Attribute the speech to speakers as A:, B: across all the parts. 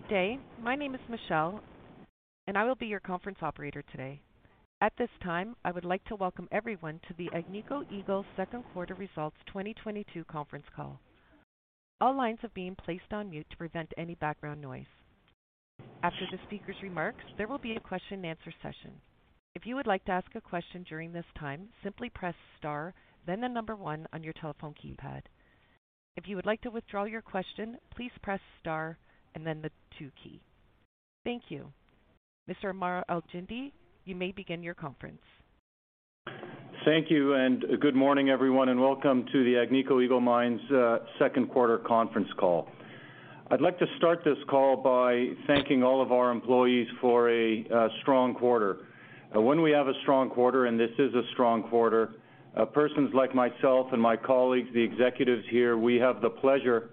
A: Good day. My name is Michelle, and I will be your conference operator today. At this time, I would like to welcome everyone to the Agnico Eagle Second Quarter Results 2022 conference call. All lines are being placed on mute to prevent any background noise. After the speaker's remarks, there will be a question-and-answer session. If you would like to ask a question during this time, simply press star then the number one on your telephone keypad. If you would like to withdraw your question, please press star and then the two key. Thank you. Mr. Ammar Al-Joundi, you may begin your conference.
B: Thank you, and good morning, everyone, and welcome to the Agnico Eagle Mines second quarter conference call. I'd like to start this call by thanking all of our employees for a strong quarter. When we have a strong quarter, and this is a strong quarter, persons like myself and my colleagues, the executives here, we have the pleasure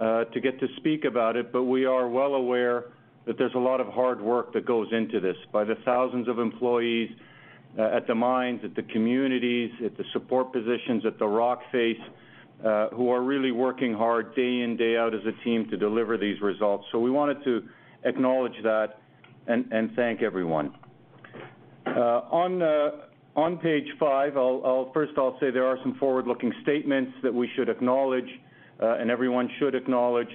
B: to get to speak about it, but we are well aware that there's a lot of hard work that goes into this by the thousands of employees at the mines, at the communities, at the support positions, at the rock face, who are really working hard day in, day out as a team to deliver these results. We wanted to acknowledge that and thank everyone. On page five, I'll first say there are some forward-looking statements that we should acknowledge, and everyone should acknowledge.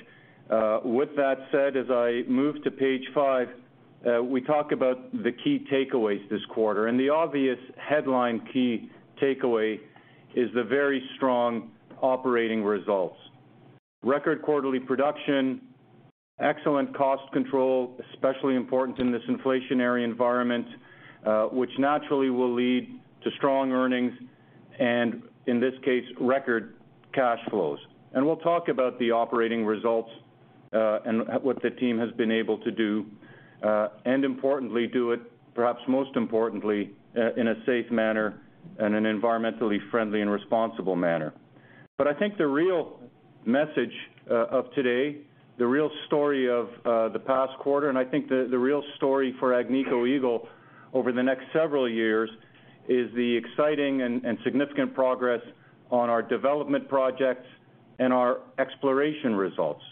B: With that said, as I move to page five, we talk about the key takeaways this quarter. The obvious headline key takeaway is the very strong operating results. Record quarterly production, excellent cost control, especially important in this inflationary environment, which naturally will lead to strong earnings and in this case, record cash flows. We'll talk about the operating results, and what the team has been able to do, and importantly, do it, perhaps most importantly, in a safe manner and an environmentally friendly and responsible manner. I think the real message of today, the real story of the past quarter, and I think the real story for Agnico Eagle over the next several years is the exciting and significant progress on our development projects and our exploration results.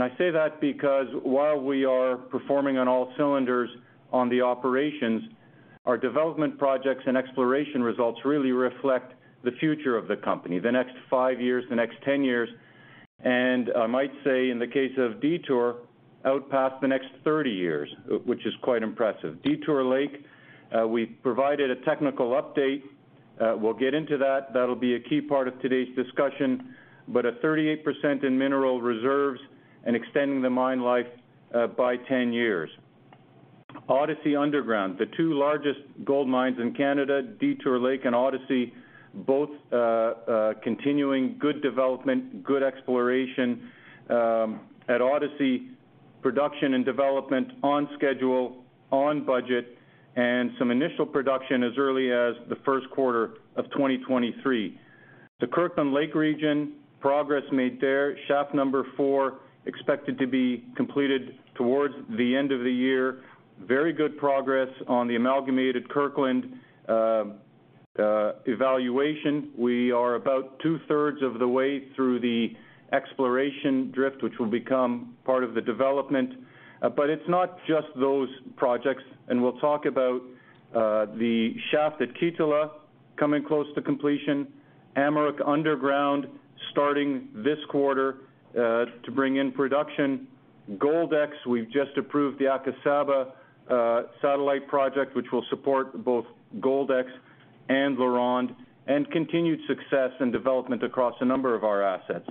B: I say that because while we are performing on all cylinders on the operations, our development projects and exploration results really reflect the future of the company, the next 5 years, the next 10 years, and I might say in the case of Detour, out past the next 30 years, which is quite impressive. Detour Lake, we provided a technical update. We'll get into that. That'll be a key part of today's discussion, but a 38% in mineral reserves and extending the mine life by 10 years. Odyssey Underground, the two largest gold mines in Canada, Detour Lake and Odyssey, both continuing good development, good exploration. At Odyssey, production and development on schedule, on budget, and some initial production as early as the first quarter of 2023. The Kirkland Lake region, progress made there. Shaft Number Four expected to be completed towards the end of the year. Very good progress on the Amalgamated Kirkland evaluation. We are about two-thirds of the way through the exploration drift, which will become part of the development. It's not just those projects, and we'll talk about the shaft at Kittilä coming close to completion. Amaruq underground starting this quarter to bring in production. Goldex, we've just approved the Akasaba satellite project, which will support both Goldex and LaRonde, and continued success and development across a number of our assets.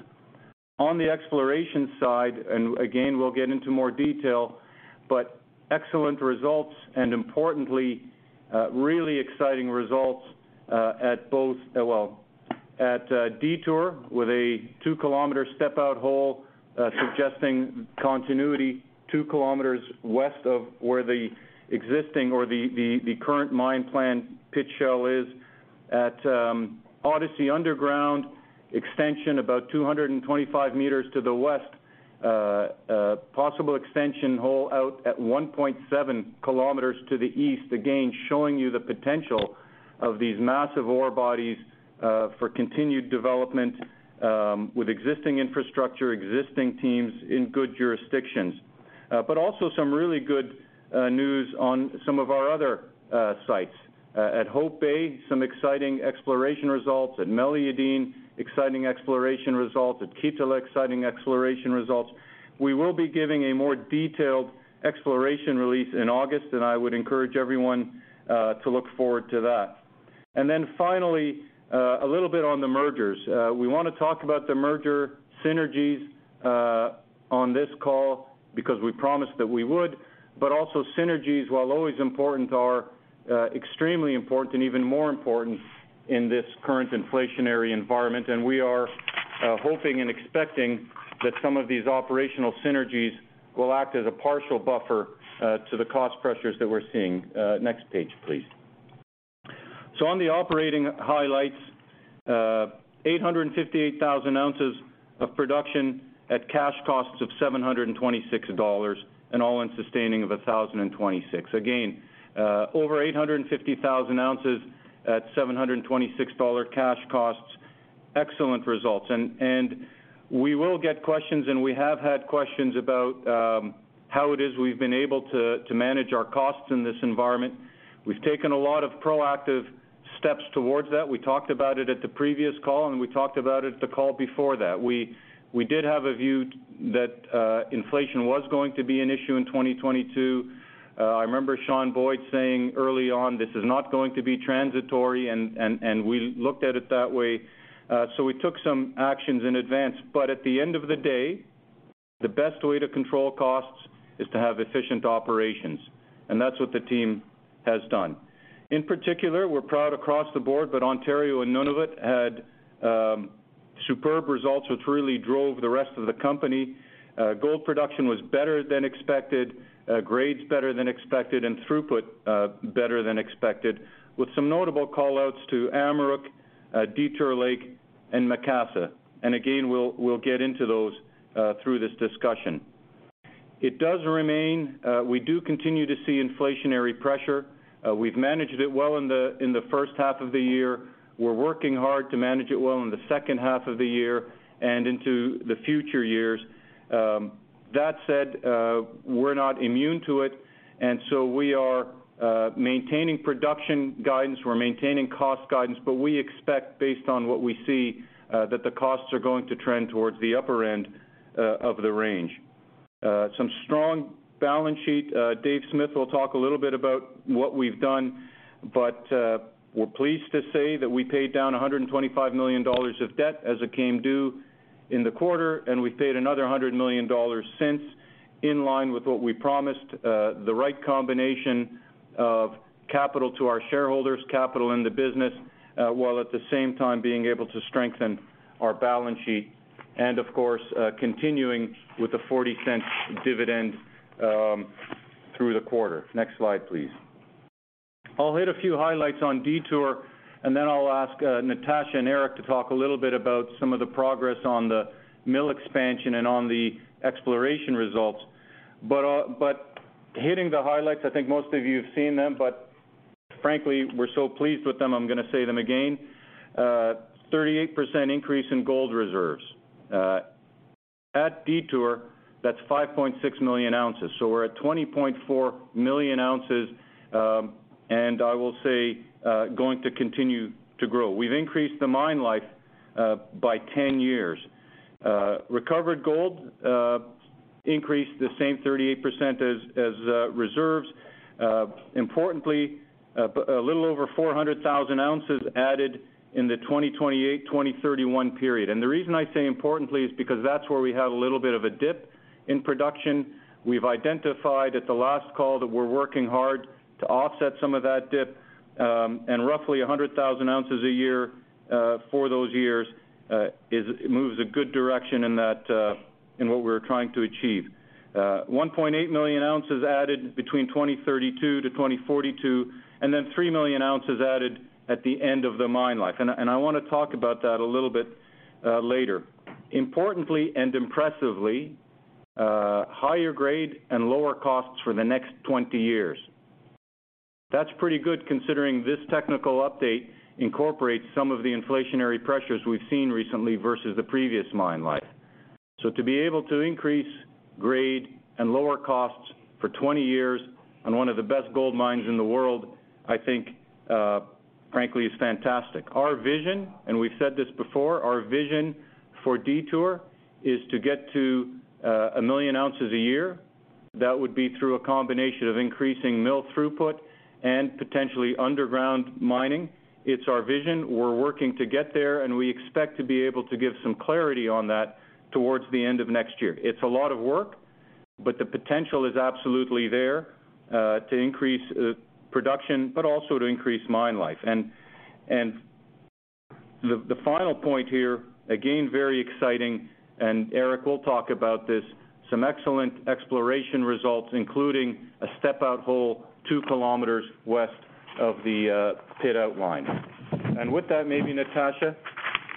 B: On the exploration side, again, we'll get into more detail. Excellent results, and importantly, really exciting results at Detour, with a 2-kilometer step out hole suggesting continuity 2 kilometers west of where the existing or the current mine plan pit shell is. At Odyssey Underground, extension about 225 meters to the west. A possible extension hole out at 1.7 kilometers to the east, again, showing you the potential of these massive ore bodies for continued development with existing infrastructure, existing teams in good jurisdictions. Also some really good news on some of our other sites. At Hope Bay, some exciting exploration results. At Meliadine, exciting exploration results. At Kittilä, exciting exploration results. We will be giving a more detailed exploration release in August, and I would encourage everyone to look forward to that. Finally, a little bit on the mergers. We wanna talk about the merger synergies on this call because we promised that we would, but also synergies, while always important, are extremely important and even more important in this current inflationary environment. We are hoping and expecting that some of these operational synergies will act as a partial buffer to the cost pressures that we're seeing. Next page, please. On the operating highlights, 858,000 ounces of production at cash costs of $726 and all-in sustaining of $1,026. Again, over 850,000 ounces at $726 cash costs. Excellent results. We will get questions, and we have had questions about how it is we've been able to manage our costs in this environment. We've taken a lot of proactive steps towards that. We talked about it at the previous call, and we talked about it at the call before that. We did have a view that inflation was going to be an issue in 2022. I remember Sean Boyd saying early on, this is not going to be transitory, and we looked at it that way. We took some actions in advance. At the end of the day, the best way to control costs is to have efficient operations, and that's what the team has done. In particular, we're proud across the board, but Ontario and Nunavut had superb results which really drove the rest of the company. Gold production was better than expected, grades better than expected, and throughput better than expected, with some notable call-outs to Amaruq, Detour Lake, and Macassa. We'll get into those through this discussion. It does remain. We do continue to see inflationary pressure. We've managed it well in the first half of the year. We're working hard to manage it well in the second half of the year and into the future years. That said, we're not immune to it. We are maintaining production guidance, we're maintaining cost guidance, but we expect, based on what we see, that the costs are going to trend towards the upper end of the range. Some strong balance sheet. Dave Smith will talk a little bit about what we've done. We're pleased to say that we paid down $125 million of debt as it came due in the quarter, and we paid another $100 million since, in line with what we promised, the right combination of capital to our shareholders, capital in the business, while at the same time being able to strengthen our balance sheet. Of course, continuing with the 40-cent dividend through the quarter. Next slide, please. I'll hit a few highlights on Detour, and then I'll ask, Natasha and Eric to talk a little bit about some of the progress on the mill expansion and on the exploration results. Hitting the highlights, I think most of you have seen them, but frankly, we're so pleased with them, I'm gonna say them again. 38% increase in gold reserves. At Detour, that's 5.6 million ounces. So we're at 20.4 million ounces, and I will say, going to continue to grow. We've increased the mine life by 10 years. Recovered gold increased the same 38% as reserves. Importantly, a little over 400,000 ounces added in the 2028-2031 period. The reason I say importantly is because that's where we had a little bit of a dip in production. We've identified at the last call that we're working hard to offset some of that dip. Roughly 100,000 ounces a year for those years moves a good direction in that in what we're trying to achieve. 1.8 million ounces added between 2032 to 2042, and then 3 million ounces added at the end of the mine life. I wanna talk about that a little bit later. Importantly and impressively, higher grade and lower costs for the next 20 years. That's pretty good, considering this technical update incorporates some of the inflationary pressures we've seen recently versus the previous mine life. To be able to increase grade and lower costs for 20 years on one of the best gold mines in the world, I think, frankly, is fantastic. Our vision, and we've said this before, our vision for Detour is to get to 1 million ounces a year. That would be through a combination of increasing mill throughput and potentially underground mining. It's our vision. We're working to get there, and we expect to be able to give some clarity on that towards the end of next year. It's a lot of work, but the potential is absolutely there to increase production, but also to increase mine life. The final point here, again, very exciting, and Eric will talk about this, some excellent exploration results, including a step-out hole 2 kilometers west of the pit outline. With that, maybe Natasha,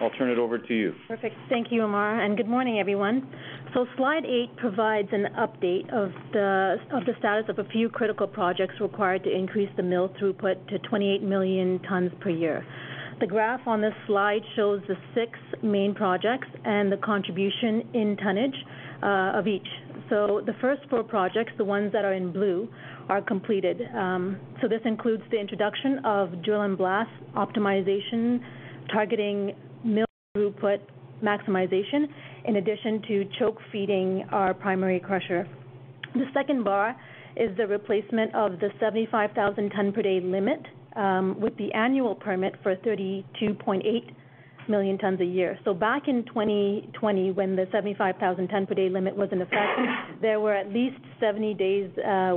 B: I'll turn it over to you.
C: Perfect. Thank you, Ammar, and good morning, everyone. Slide eight provides an update of the status of a few critical projects required to increase the mill throughput to 28 million tons per year. The graph on this slide shows the six main projects and the contribution in tonnage of each. The first four projects, the ones that are in blue, are completed. This includes the introduction of drill and blast optimization, targeting mill throughput maximization, in addition to choke feeding our primary crusher. The second bar is the replacement of the 75,000 ton per day limit with the annual permit for 32.8 million tons a year. Back in 2020, when the 75,000 tons per day limit was in effect, there were at least 70 days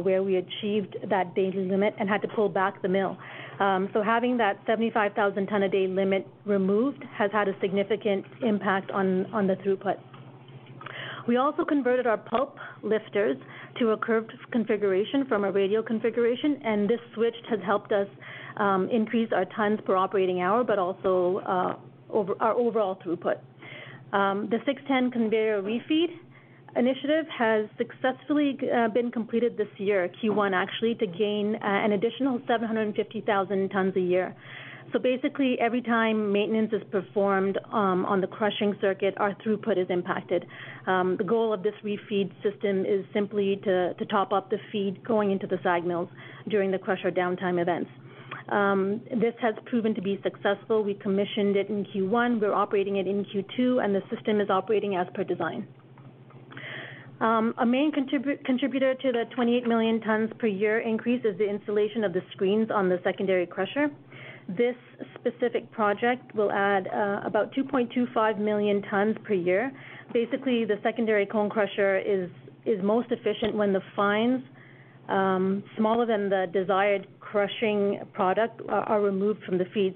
C: where we achieved that daily limit and had to pull back the mill. Having that 75,000 tons a day limit removed has had a significant impact on the throughput. We also converted our pulp lifters to a curved configuration from a radial configuration, and this switch has helped us increase our tons per operating hour, but also our overall throughput. The six ten conveyor refeed initiative has successfully been completed this year, Q1 actually, to gain an additional 750,000 tons a year. Basically, every time maintenance is performed on the crushing circuit, our throughput is impacted. The goal of this refeed system is simply to top up the feed going into the SAG mills during the crusher downtime events. This has proven to be successful. We commissioned it in Q1, we're operating it in Q2, and the system is operating as per design. A main contributor to the 28 million tons per year increase is the installation of the screens on the secondary crusher. This specific project will add about 2.25 million tons per year. Basically, the secondary cone crusher is most efficient when the fines, smaller than the desired crushing product are removed from the feed.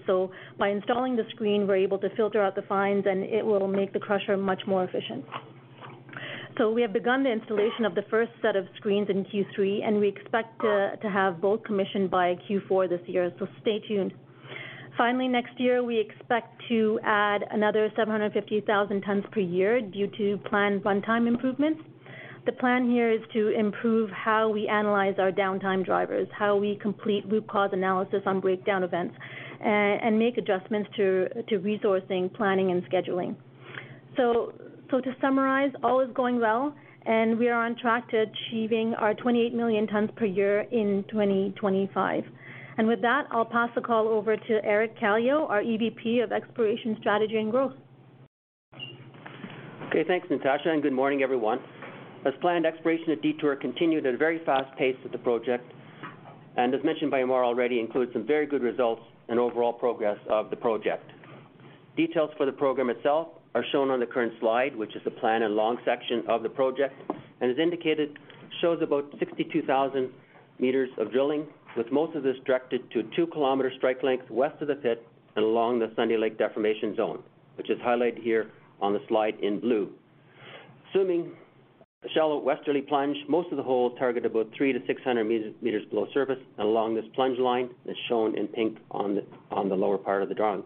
C: By installing the screen, we're able to filter out the fines, and it will make the crusher much more efficient. We have begun the installation of the first set of screens in Q3, and we expect to have both commissioned by Q4 this year, so stay tuned. Finally, next year, we expect to add another 750,000 tons per year due to planned runtime improvements. The plan here is to improve how we analyze our downtime drivers, how we complete root cause analysis on breakdown events, and make adjustments to resourcing, planning, and scheduling. To summarize, all is going well, and we are on track to achieving our 28 million tons per year in 2025. With that, I'll pass the call over to Eric Kallio, our EVP of Exploration Strategy and Growth.
D: Okay. Thanks, Natasha, and good morning, everyone. As planned, exploration at Detour continued at a very fast pace with the project, and as mentioned by Ammar Al-Joundi already, includes some very good results and overall progress of the project. Details for the program itself are shown on the current slide, which is a plan and long section of the project, and as indicated, shows about 62,000 meters of drilling, with most of this directed to a 2-kilometer strike length west of the pit and along the Sunday Lake deformation zone, which is highlighted here on the slide in blue. Assuming a shallow westerly plunge, most of the holes target about 300 to 600 meters below surface and along this plunge line, as shown in pink on the lower part of the drawing.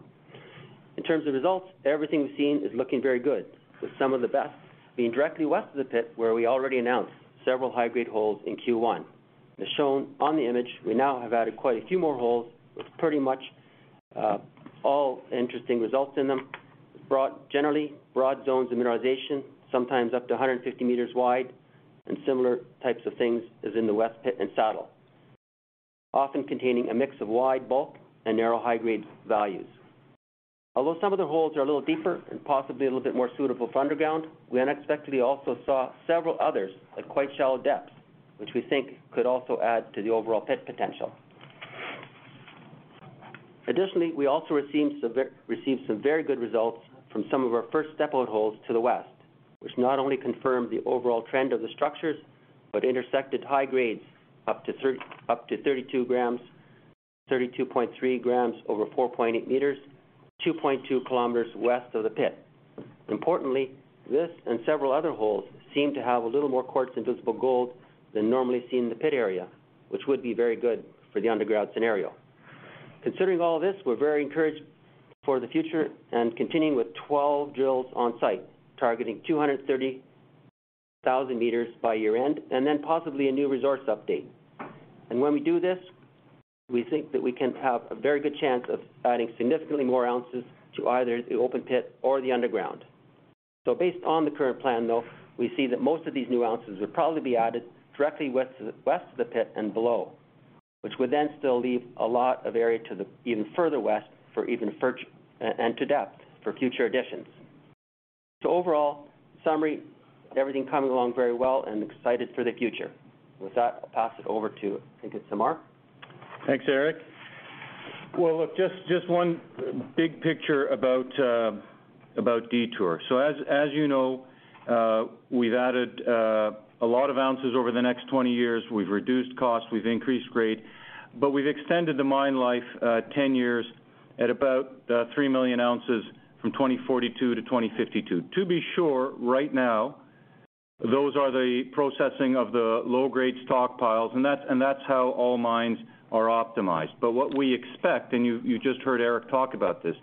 D: In terms of results, everything we've seen is looking very good, with some of the best being directly west of the pit, where we already announced several high-grade holes in Q1. As shown on the image, we now have added quite a few more holes, with pretty much all interesting results in them. Broad, generally broad zones of mineralization, sometimes up to 150 meters wide, and similar types of things as in the west pit and saddle, often containing a mix of wide bulk and narrow high-grade values. Although some of the holes are a little deeper and possibly a little bit more suitable for underground, we unexpectedly also saw several others at quite shallow depths, which we think could also add to the overall pit potential. Additionally, we also received some very good results from some of our first step-out holes to the west, which not only confirmed the overall trend of the structures, but intersected high grades up to 32 grams, 32.3 grams over 4.8 meters, 2.2 kilometers west of the pit. Importantly, this and several other holes seem to have a little more quartz and visible gold than normally seen in the pit area, which would be very good for the underground scenario. Considering all this, we're very encouraged for the future and continuing with 12 drills on site, targeting 230,000 meters by year-end and then possibly a new resource update. When we do this, we think that we can have a very good chance of adding significantly more ounces to either the open pit or the underground. Based on the current plan, though, we see that most of these new ounces would probably be added directly west to the pit and below, which would then still leave a lot of area to the even further west for even further and to depth for future additions. Overall, summary, everything coming along very well and excited for the future. With that, I'll pass it over to, I think it's Ammar.
B: Thanks, Eric. Well, look, just one big picture about Detour. As you know, we've added a lot of ounces over the next 20 years. We've reduced costs, we've increased grade, but we've extended the mine life 10 years at about 3 million ounces from 2042 to 2052. To be sure, right now, those are the processing of the low-grade stockpiles, and that's how all mines are optimized. What we expect, and you just heard Eric talk about this,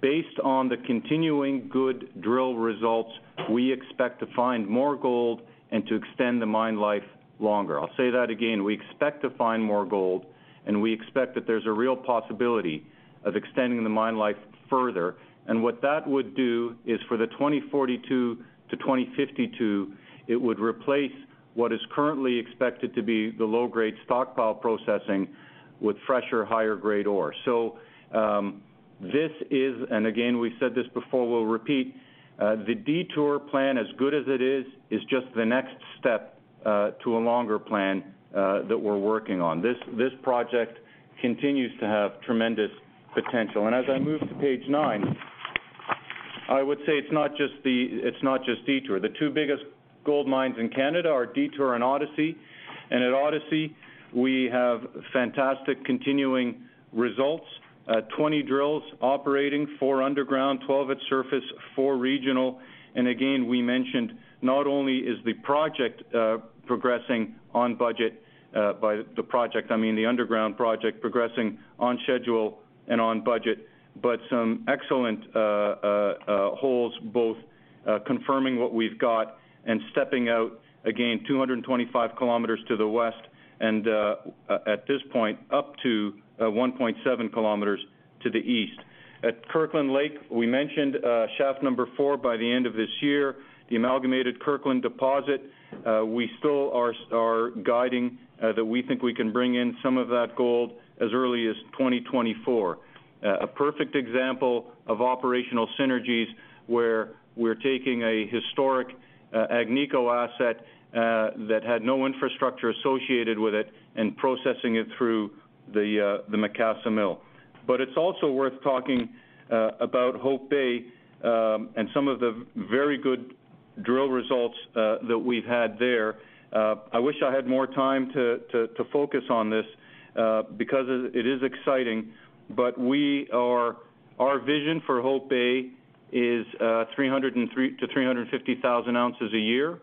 B: based on the continuing good drill results, we expect to find more gold and to extend the mine life longer. I'll say that again, we expect to find more gold, and we expect that there's a real possibility of extending the mine life further, and what that would do is for the 2042 to 2052, it would replace what is currently expected to be the low-grade stockpile processing with fresher, higher-grade ore. This is, and again, we've said this before, we'll repeat, the Detour plan, as good as it is just the next step to a longer plan that we're working on. This project continues to have tremendous potential. As I move to page nine, I would say it's not just the, it's not just Detour. The two biggest gold mines in Canada are Detour and Odyssey. At Odyssey, we have fantastic continuing results, 20 drills operating, 4 underground, 12 at surface, 4 regional. Again, we mentioned not only is the project progressing on budget, by the project, I mean, the underground project progressing on schedule and on budget, but some excellent holes both confirming what we've got and stepping out, again, 225 kilometers to the west and, at this point, up to 1.7 kilometers to the east. At Kirkland Lake, we mentioned shaft Number Four by the end of this year, the amalgamated Kirkland deposit, we still are guiding that we think we can bring in some of that gold as early as 2024. A perfect example of operational synergies where we're taking a historic Agnico asset that had no infrastructure associated with it and processing it through the Macassa Mill. It's also worth talking about Hope Bay and some of the very good drill results that we've had there. I wish I had more time to focus on this because it is exciting, but our vision for Hope Bay is 300-350 thousand ounces a year.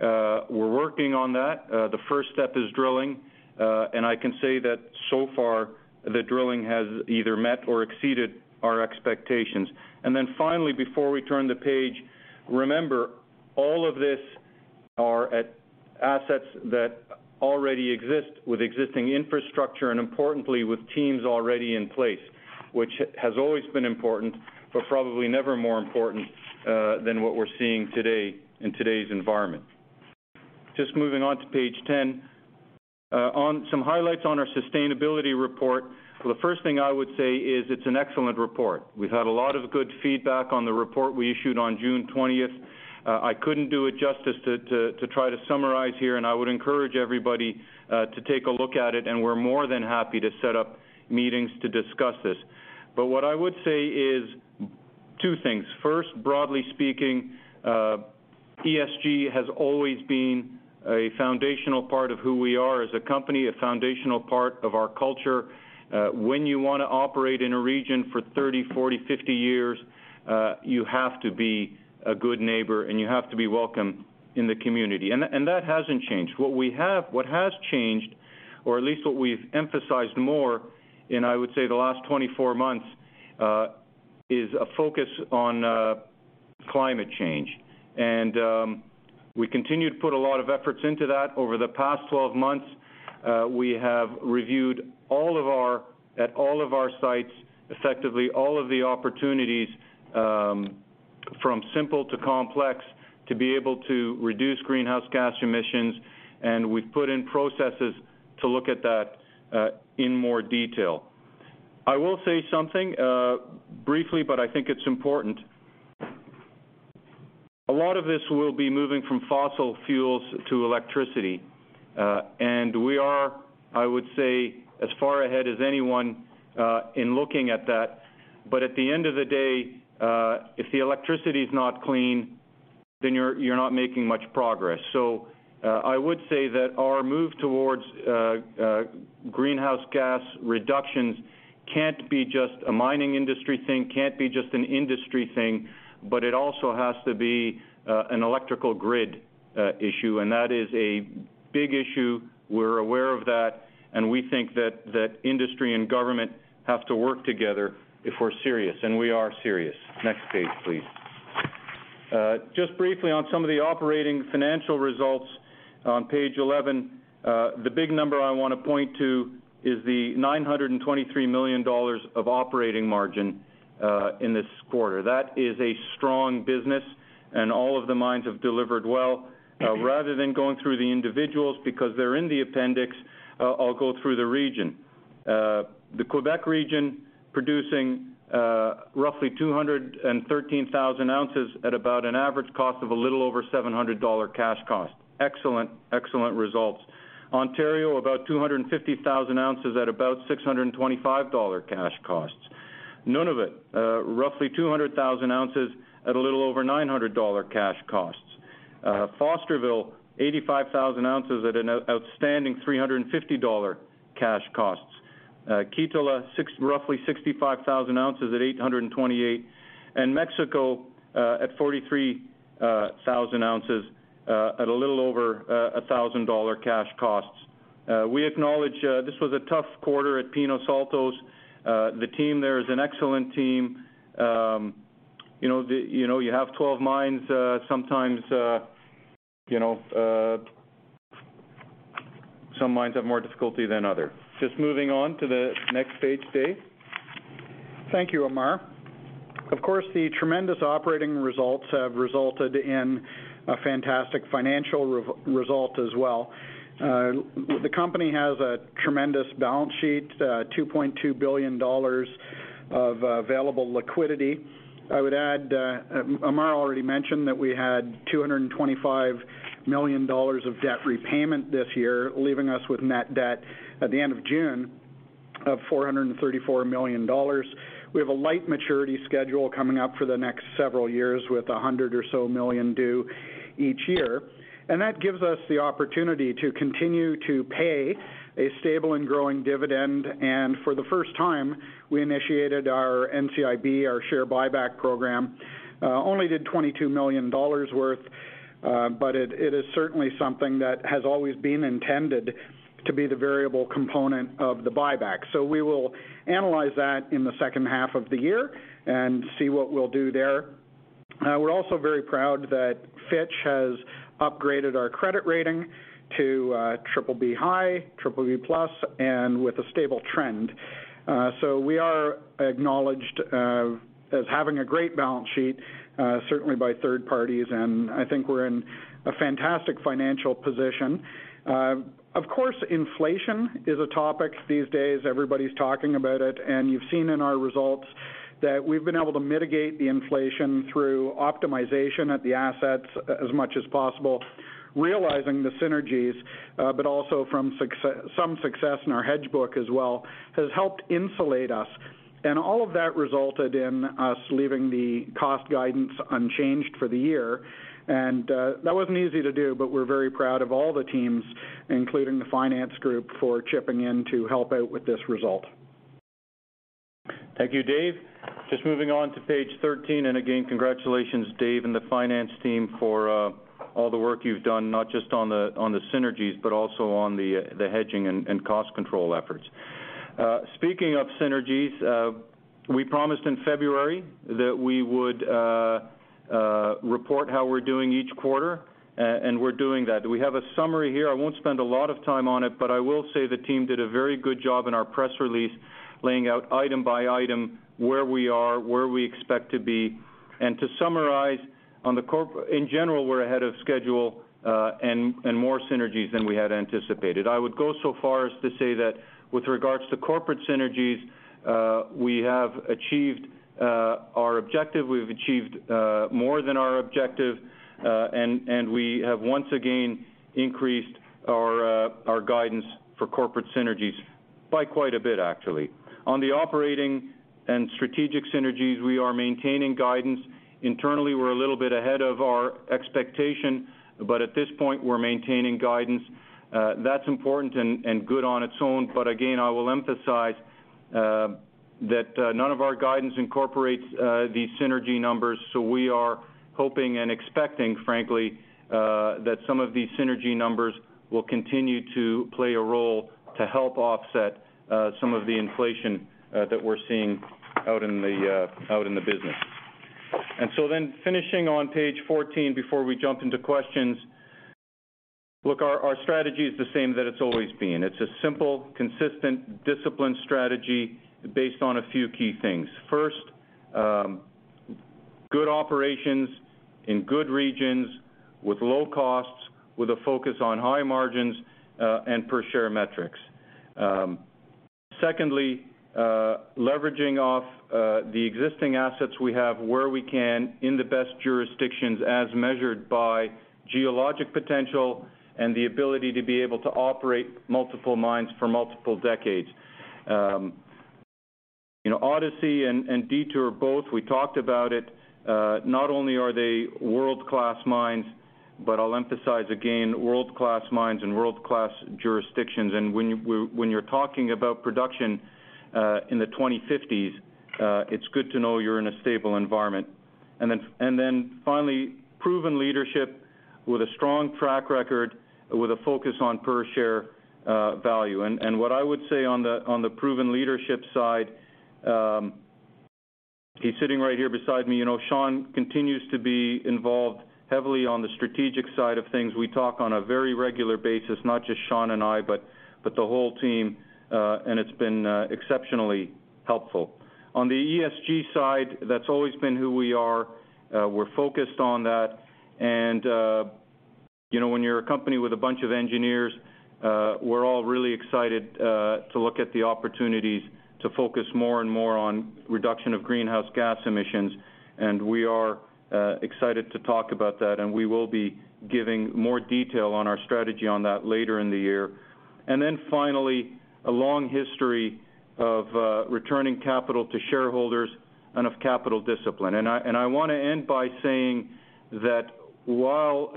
B: We're working on that. The first step is drilling, and I can say that so far the drilling has either met or exceeded our expectations. Then finally, before we turn the page, remember all of this are at assets that already exist with existing infrastructure and importantly with teams already in place, which has always been important, but probably never more important than what we're seeing today in today's environment. Just moving on to page 10. On some highlights on our sustainability report, the first thing I would say is it's an excellent report. We've had a lot of good feedback on the report we issued on June twentieth. I couldn't do it justice to try to summarize here, and I would encourage everybody to take a look at it, and we're more than happy to set up meetings to discuss this. What I would say is two things. First, broadly speaking, ESG has always been a foundational part of who we are as a company, a foundational part of our culture. When you want to operate in a region for 30, 40, 50 years, you have to be a good neighbor, and you have to be welcome in the community, and that hasn't changed. What has changed, or at least what we've emphasized more in, I would say, the last 24 months, is a focus on climate change. We continue to put a lot of efforts into that. Over the past 12 months, we have reviewed at all of our sites, effectively all of the opportunities, from simple to complex, to be able to reduce greenhouse gas emissions, and we've put in processes to look at that in more detail. I will say something briefly, but I think it's important. A lot of this will be moving from fossil fuels to electricity, and we are, I would say, as far ahead as anyone in looking at that. At the end of the day, if the electricity is not clean, then you're not making much progress. I would say that our move towards greenhouse gas reductions can't be just a mining industry thing, can't be just an industry thing, but it also has to be an electrical grid issue. That is a big issue. We're aware of that, and we think that industry and government have to work together if we're serious, and we are serious. Next page, please. Just briefly on some of the operating financial results on page 11. The big number I want to point to is the $923 million of operating margin in this quarter. That is a strong business, and all of the mines have delivered well. Rather than going through the individuals because they're in the appendix, I'll go through the region. The Quebec region producing roughly 213,000 ounces at about an average cost of a little over $700 cash cost. Excellent, excellent results. Ontario, about 250,000 ounces at about $625 cash costs. Nunavut, roughly 200,000 ounces at a little over $900 cash costs. Fosterville, 85,000 ounces at an outstanding $350 cash costs. Kittilä, roughly 65,000 ounces at $828. Mexico, 43,000 ounces at a little over $1,000 cash costs. We acknowledge this was a tough quarter at Pinos Altos. The team there is an excellent team. You know, you know, you have 12 mines, sometimes, you know, some mines have more difficulty than other. Just moving on to the next page, Dave.
E: Thank you, Ammar. Of course, the tremendous operating results have resulted in a fantastic financial result as well. The company has a tremendous balance sheet, $2.2 billion of available liquidity. I would add, Ammar already mentioned that we had $225 million of debt repayment this year, leaving us with net debt at the end of June of $434 million. We have a light maturity schedule coming up for the next several years with $100 million or so due each year. That gives us the opportunity to continue to pay a stable and growing dividend. For the first time, we initiated our NCIB, our share buyback program, only did $22 million worth. It is certainly something that has always been intended to be the variable component of the buyback. We will analyze that in the second half of the year and see what we'll do there. We're also very proud that Fitch has upgraded our credit rating to BBB+, and with a stable trend. We are acknowledged as having a great balance sheet, certainly by third parties, and I think we're in a fantastic financial position. Of course, inflation is a topic these days. Everybody's talking about it, and you've seen in our results that we've been able to mitigate the inflation through optimization at the assets as much as possible. Realizing the synergies, but also from some success in our hedge book as well, has helped insulate us. All of that resulted in us leaving the cost guidance unchanged for the year. That wasn't easy to do, but we're very proud of all the teams, including the finance group, for chipping in to help out with this result.
B: Thank you, Dave. Just moving on to page 13. Again, congratulations, Dave and the finance team for all the work you've done, not just on the synergies, but also on the hedging and cost control efforts. Speaking of synergies, we promised in February that we would report how we're doing each quarter, and we're doing that. We have a summary here. I won't spend a lot of time on it, but I will say the team did a very good job in our press release, laying out item by item, where we are, where we expect to be. To summarize, in general, we're ahead of schedule and more synergies than we had anticipated. I would go so far as to say that with regards to corporate synergies, we have achieved our objective, we've achieved more than our objective, and we have once again increased our guidance for corporate synergies by quite a bit, actually. On the operating and strategic synergies, we are maintaining guidance. Internally, we're a little bit ahead of our expectation, but at this point, we're maintaining guidance. That's important and good on its own. Again, I will emphasize that none of our guidance incorporates these synergy numbers, so we are hoping and expecting, frankly, that some of these synergy numbers will continue to play a role to help offset some of the inflation that we're seeing out in the business. Finishing on page 14 before we jump into questions. Look, our strategy is the same that it's always been. It's a simple, consistent, disciplined strategy based on a few key things. First, good operations in good regions with low costs, with a focus on high margins, and per share metrics. Secondly, leveraging off the existing assets we have where we can in the best jurisdictions as measured by geologic potential and the ability to be able to operate multiple mines for multiple decades. You know, Odyssey and Detour both, we talked about it, not only are they world-class mines, but I'll emphasize again, world-class mines and world-class jurisdictions. When you're talking about production in the 2050s, it's good to know you're in a stable environment. Finally, proven leadership with a strong track record with a focus on per share value. What I would say on the proven leadership side, he's sitting right here beside me. You know, Sean continues to be involved heavily on the strategic side of things. We talk on a very regular basis, not just Sean and I, but the whole team, and it's been exceptionally helpful. On the ESG side, that's always been who we are. We're focused on that. You know, when you're a company with a bunch of engineers, we're all really excited to look at the opportunities to focus more and more on reduction of greenhouse gas emissions. We are excited to talk about that, and we will be giving more detail on our strategy on that later in the year. Then finally, a long history of returning capital to shareholders and of capital discipline. I wanna end by saying that while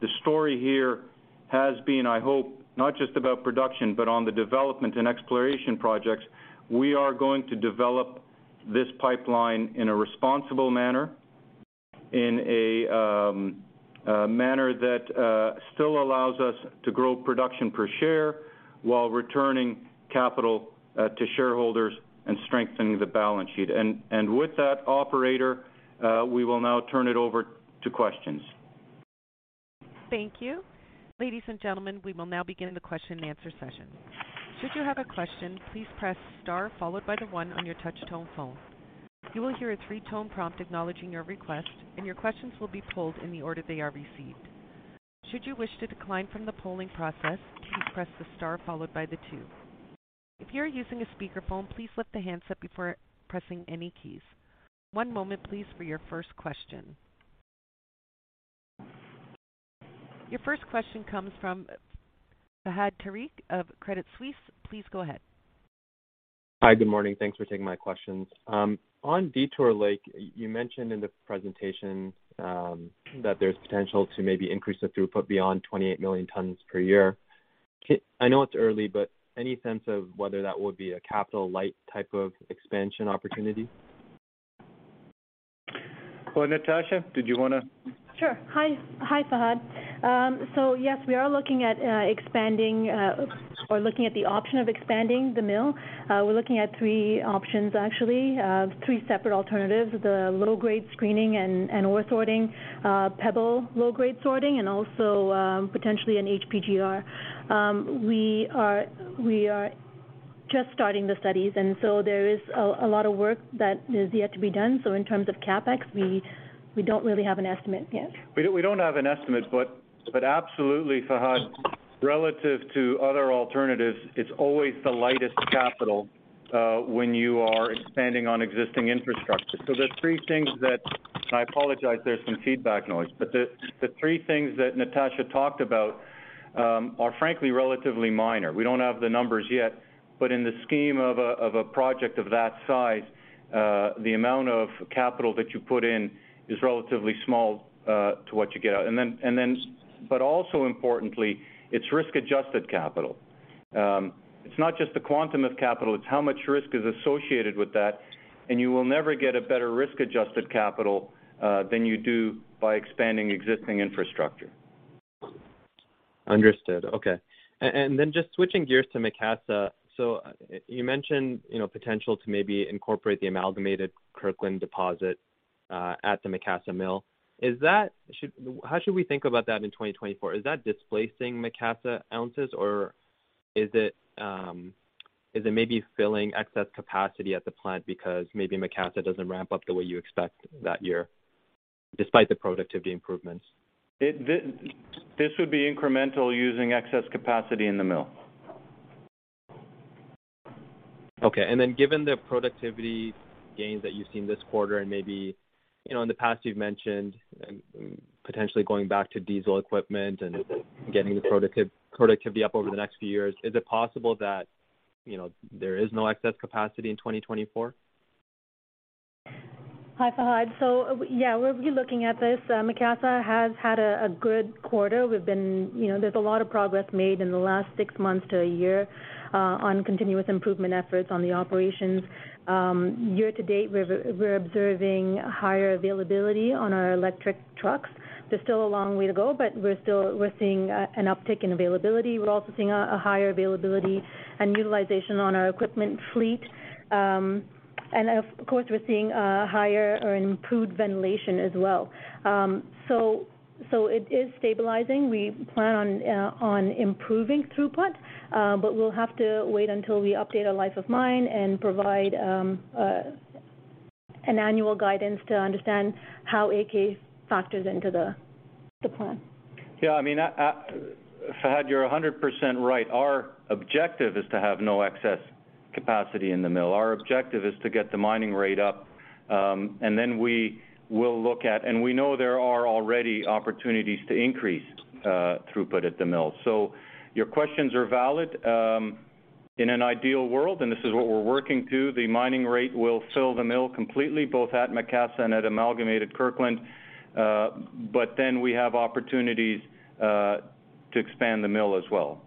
B: the story here has been, I hope, not just about production, but on the development and exploration projects, we are going to develop this pipeline in a responsible manner, in a manner that still allows us to grow production per share while returning capital to shareholders and strengthening the balance sheet. With that, operator, we will now turn it over to questions.
A: Thank you. Ladies and gentlemen, we will now begin the question and answer session. Should you have a question, please press Star followed by the one on your touch tone phone. You will hear a three-tone prompt acknowledging your request, and your questions will be pulled in the order they are received. Should you wish to decline from the polling process, please press the Star followed by the two. If you are using a speakerphone, please lift the handset before pressing any keys. One moment, please, for your first question. Your first question comes from Fahad Tariq of Credit Suisse. Please go ahead.
F: Hi. Good morning. Thanks for taking my questions. On Detour Lake, you mentioned in the presentation that there's potential to maybe increase the throughput beyond 28 million tons per year. I know it's early, but any sense of whether that would be a capital light type of expansion opportunity?
B: Oh, Natasha, did you wanna?
C: Yes, we are looking at expanding or looking at the option of expanding the mill. We're looking at three options actually, three separate alternatives, the low-grade screening and ore sorting, pebble low-grade sorting, and also potentially an HPGR. We are just starting the studies, and there is a lot of work that is yet to be done. In terms of CapEx, we don't really have an estimate yet.
B: We don't have an estimate, but absolutely, Fahad, relative to other alternatives, it's always the lowest capital when you are expanding on existing infrastructure. I apologize, there's some feedback noise. The three things that Natasha talked about are frankly relatively minor. We don't have the numbers yet, but in the scheme of a project of that size, the amount of capital that you put in is relatively small to what you get out. Then, but also importantly, it's risk-adjusted capital. It's not just the quantum of capital, it's how much risk is associated with that, and you will never get a better risk-adjusted capital than you do by expanding existing infrastructure.
F: Understood. Okay. Then just switching gears to Macassa. You mentioned, you know, potential to maybe incorporate the amalgamated Kirkland deposit at the Macassa mill. How should we think about that in 2024? Is that displacing Macassa ounces, or is it maybe filling excess capacity at the plant because maybe Macassa doesn't ramp up the way you expect that year despite the productivity improvements?
B: This would be incremental using excess capacity in the mill.
F: Okay. Given the productivity gains that you've seen this quarter and maybe, you know, in the past you've mentioned potentially going back to diesel equipment and getting the productivity up over the next few years, is it possible that, you know, there is no excess capacity in 2024?
C: Hi, Fahad. Yeah, we'll be looking at this. Macassa has had a good quarter. We've been, you know, there's a lot of progress made in the last six months to a year on continuous improvement efforts on the operations. Year to date, we're observing higher availability on our electric trucks. There's still a long way to go, but we're seeing an uptick in availability. We're also seeing a higher availability and utilization on our equipment fleet. Of course, we're seeing higher or improved ventilation as well. It is stabilizing. We plan on improving throughput, but we'll have to wait until we update our life of mine and provide an annual guidance to understand how AK factors into the plan.
B: Yeah, I mean, Fahad, you're 100% right. Our objective is to have no excess capacity in the mill. Our objective is to get the mining rate up. We know there are already opportunities to increase throughput at the mill. Your questions are valid, in an ideal world, and this is what we're working to, the mining rate will fill the mill completely, both at Macassa and at Amalgamated Kirkland, but then we have opportunities to expand the mill as well.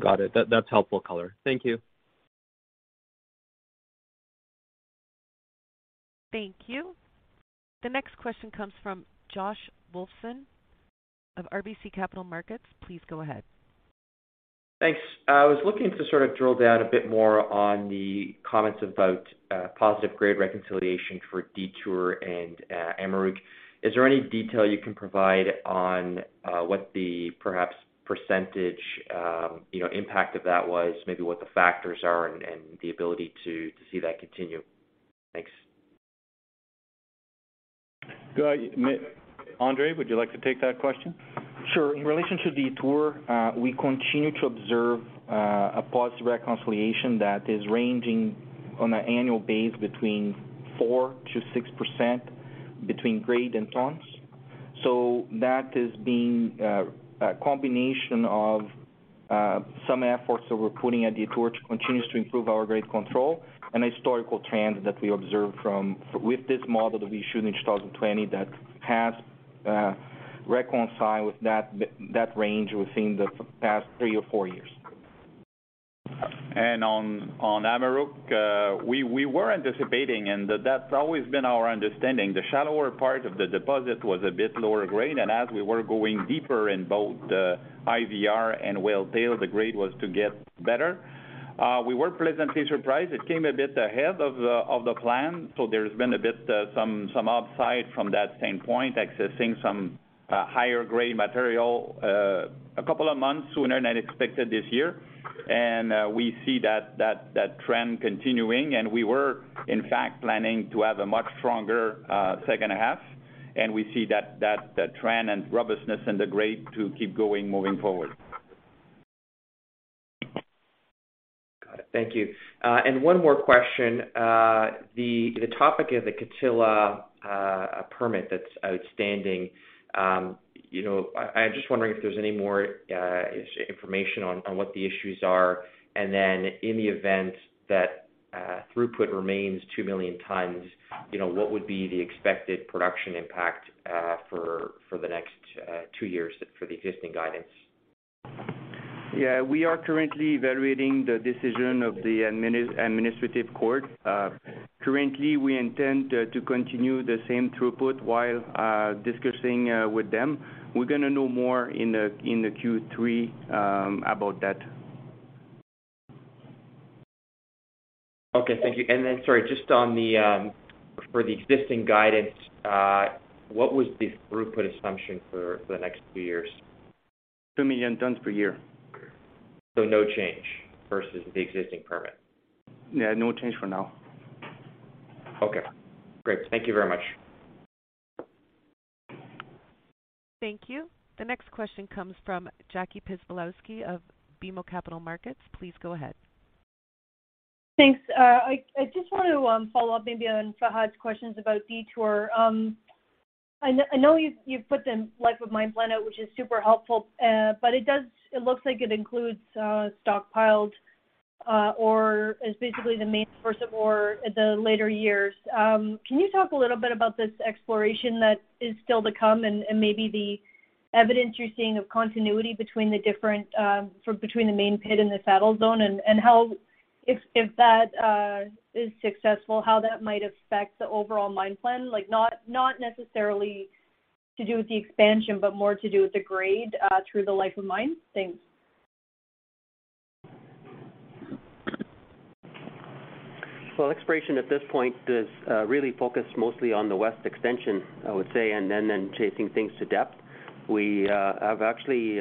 F: Got it. That, that's helpful color. Thank you.
A: Thank you. The next question comes from Joshua Wolfson of RBC Capital Markets. Please go ahead.
G: Thanks. I was looking to sort of drill down a bit more on the comments about positive grade reconciliation for Detour and Amaruq. Is there any detail you can provide on what the perhaps percentage, you know, impact of that was, maybe what the factors are and the ability to see that continue? Thanks.
B: Go ahead. Guy Gosselin, would you like to take that question?
H: Sure. In relation to Detour, we continue to observe a positive reconciliation that is ranging on an annual basis between 4%-6% between grade and tons. That is a combination of some efforts that we're putting at Detour to continue to improve our grade control and historical trends that we observe with this model that we issued in 2020 that has reconciled with that range within the past three or four years.
B: On Amaruq, we were anticipating, and that's always been our understanding, the shallower part of the deposit was a bit lower grade. As we were going deeper in both the IVR and Whale Tail, the grade was to get better. We were pleasantly surprised. It came a bit ahead of the plan, so there's been a bit some upside from that standpoint, accessing some higher grade material a couple of months sooner than expected this year. We see that trend continuing, and we were, in fact, planning to have a much stronger second half. We see that trend and robustness in the grade to keep going moving forward.
G: Got it. Thank you. One more question. The topic of the Kittilä permit that's outstanding, you know, I'm just wondering if there's any more information on what the issues are. Then in the event that throughput remains 2 million tons, you know, what would be the expected production impact for the next two years for the existing guidance?
H: Yeah, we are currently evaluating the decision of the administrative court. Currently, we intend to continue the same throughput while discussing with them. We're gonna know more in the Q3 about that.
G: Okay, thank you. Sorry, just on the for the existing guidance, what was the throughput assumption for the next few years?
H: 2 million tons per year.
G: No change versus the existing permit?
H: Yeah, no change for now.
G: Okay, great. Thank you very much.
A: Thank you. The next question comes from Jackie Zielinski of BMO Capital Markets. Please go ahead.
I: Thanks. I just wanted to follow up maybe on Fahad's questions about Detour. I know you've put the life of mine plan out, which is super helpful. But it looks like it includes stockpiled ore as basically the main source of ore at the later years. Can you talk a little bit about this exploration that is still to come and maybe the evidence you're seeing of continuity between the different sort between the main pit and the saddle zone? And how if that is successful, how that might affect the overall mine plan, like not necessarily to do with the expansion, but more to do with the grade through the life of mine? Thanks.
D: Exploration at this point is really focused mostly on the west extension, I would say, and then taking things to depth. We have actually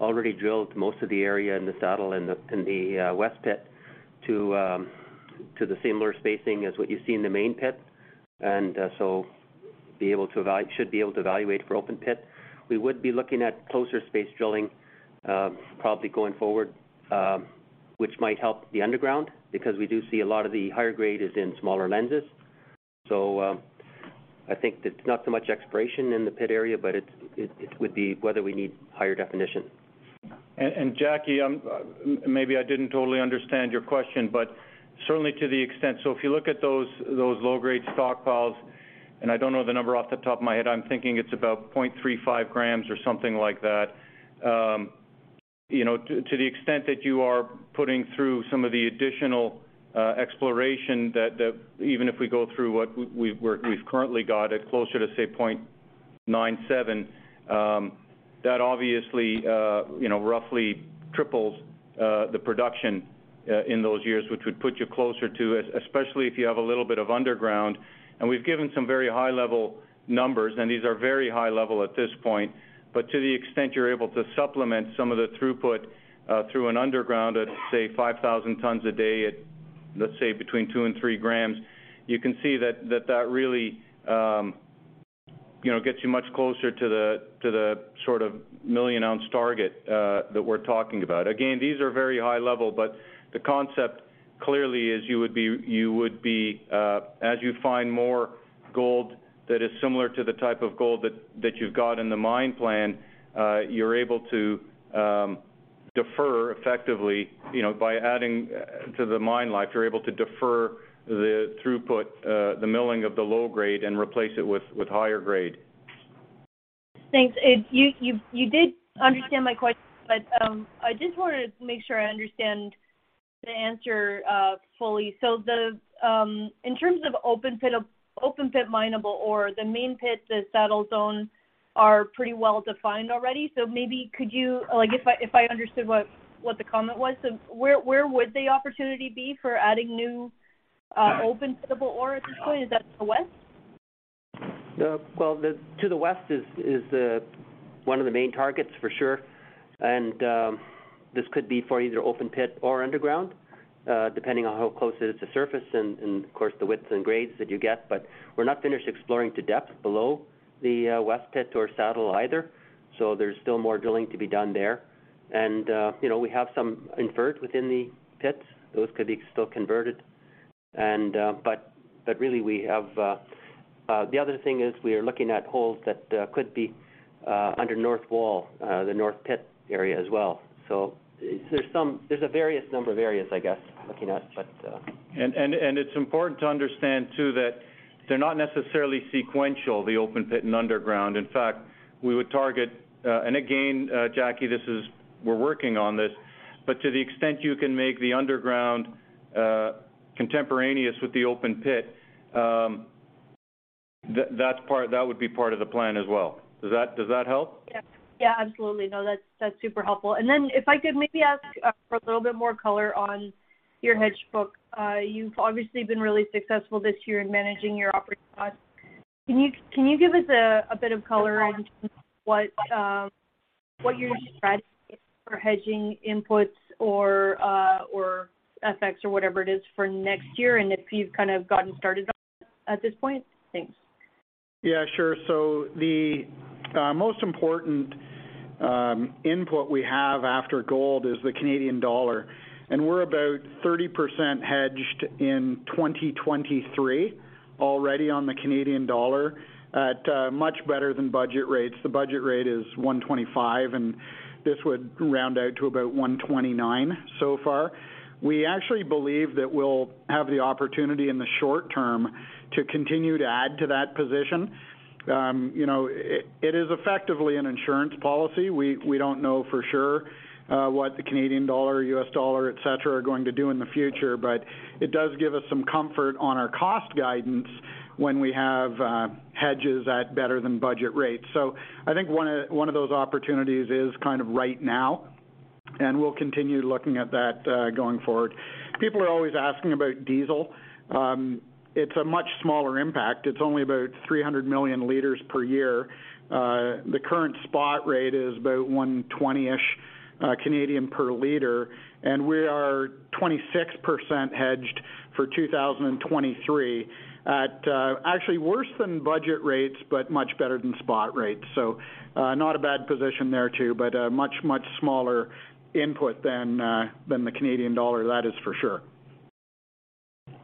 D: already drilled most of the area in the saddle and the west pit to the similar spacing as what you see in the main pit. Should be able to evaluate for open pit. We would be looking at closer spaced drilling, probably going forward, which might help the underground because we do see a lot of the higher grade is in smaller lenses. I think it's not so much exploration in the pit area, but it would be whether we need higher definition.
B: Jackie, maybe I didn't totally understand your question, but certainly to the extent, so if you look at those low grade stockpiles, and I don't know the number off the top of my head, I'm thinking it's about 0.35 grams or something like that. You know, to the extent that you are putting through some of the additional exploration that even if we go through what we've currently got at closer to say 0.97, that obviously you know, roughly triples the production in those years, which would put you closer to, especially if you have a little bit of underground. We've given some very high level numbers, and these are very high level at this point. To the extent you're able to supplement some of the throughput through an underground at, say, 5,000 tons a day at, let's say, between 2 and 3 grams, you can see that really gets you much closer to the sort of million-ounce target that we're talking about. Again, these are very high-level, but the concept clearly is you would be as you find more gold that is similar to the type of gold that you've got in the mine plan, you're able to defer effectively by adding to the mine life, you're able to defer the throughput, the milling of the low grade and replace it with higher grade.
I: Thanks. You did understand my question, but I just wanted to make sure I understand the answer fully. The in terms of open pit mineable ore, the main pit, the saddle zone are pretty well defined already. Maybe could you, like if I understood what the comment was, so where would the opportunity be for adding new open pit-able ore at this point? Is that to the west?
D: Well, to the west is one of the main targets for sure. This could be for either open pit or underground, depending on how close it is to surface and of course, the widths and grades that you get. We're not finished exploring to depth below the west pit or saddle either, so there's still more drilling to be done there. You know, we have some inferred within the pits. Those could be still converted. But really we have, the other thing is we are looking at holes that could be under north wall, the north pit area as well. There's a variety of areas, I guess, looking at, but.
B: It's important to understand too that they're not necessarily sequential, the open pit and underground. In fact, we would target, and again, Jackie, this is, we're working on this, but to the extent you can make the underground, contemporaneous with the open pit, that's part, that would be part of the plan as well. Does that help?
I: Yeah. Yeah, absolutely. No, that's super helpful. Then if I could maybe ask for a little bit more color on your hedge book. You've obviously been really successful this year in managing your operating costs. Can you give us a bit of color in terms of what your strategy is for hedging inputs or effects or whatever it is for next year, and if you've kind of gotten started on that at this point? Thanks.
B: Yeah, sure. The most important input we have after gold is the Canadian dollar, and we're about 30% hedged in 2023 already on the Canadian dollar at much better than budget rates. The budget rate is 1.25, and this would round out to about 1.29 so far. We actually believe that we'll have the opportunity in the short term to continue to add to that position. You know, it is effectively an insurance policy. We don't know for sure what the Canadian dollar, US dollar, et cetera, are going to do in the future, but it does give us some comfort on our cost guidance when we have hedges at better than budget rates. I think one of those opportunities is kind of right now. We'll continue looking at that going forward.
E: People are always asking about diesel. It's a much smaller impact. It's only about 300 million liters per year. The current spot rate is about 1.20-ish CAD per liter, and we are 26% hedged for 2023 at actually worse than budget rates, but much better than spot rates. Not a bad position there too, but a much, much smaller input than the Canadian dollar, that is for sure.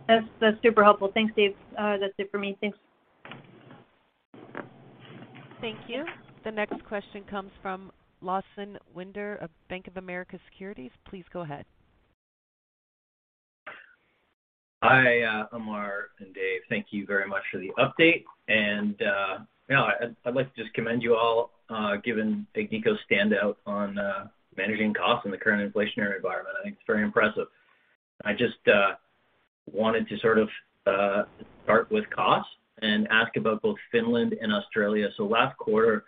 I: That's super helpful. Thanks, Dave. That's it for me. Thanks.
A: Thank you. The next question comes from Lawson Winder of Bank of America Securities. Please go ahead.
J: Hi, Ammar and Dave. Thank you very much for the update. I'd like to just commend you all, given Agnico's standout on managing costs in the current inflationary environment. I think it's very impressive. I just wanted to sort of start with costs and ask about both Finland and Australia. Last quarter,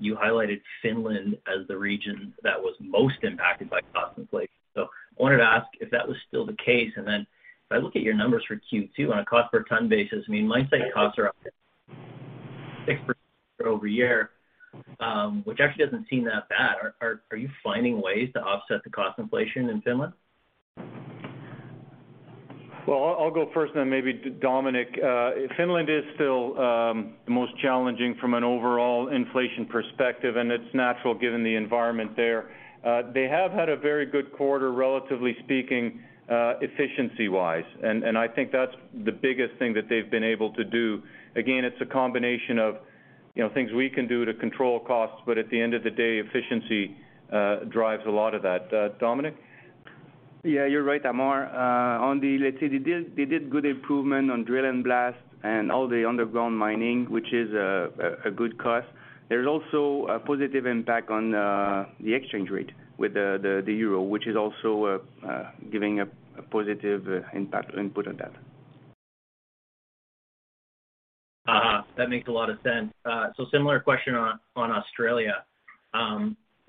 J: you highlighted Finland as the region that was most impacted by cost inflation. I wanted to ask if that was still the case. Then if I look at your numbers for Q2 on a cost per ton basis, I mean, mine site costs are up 6% year-over-year, which actually doesn't seem that bad. Are you finding ways to offset the cost inflation in Finland?
B: Well, I'll go first and then maybe Dominic. Finland is still the most challenging from an overall inflation perspective, and it's natural given the environment there. They have had a very good quarter, relatively speaking, efficiency-wise. I think that's the biggest thing that they've been able to do. Again, it's a combination of, you know, things we can do to control costs, but at the end of the day, efficiency drives a lot of that. Dominic?
K: Yeah, you're right, Ammar. Let's say they did good improvement on drill and blast and all the underground mining, which is a good cost. There's also a positive impact on the exchange rate with the euro, which is also giving a positive impact or input on that.
J: That makes a lot of sense. Similar question on Australia.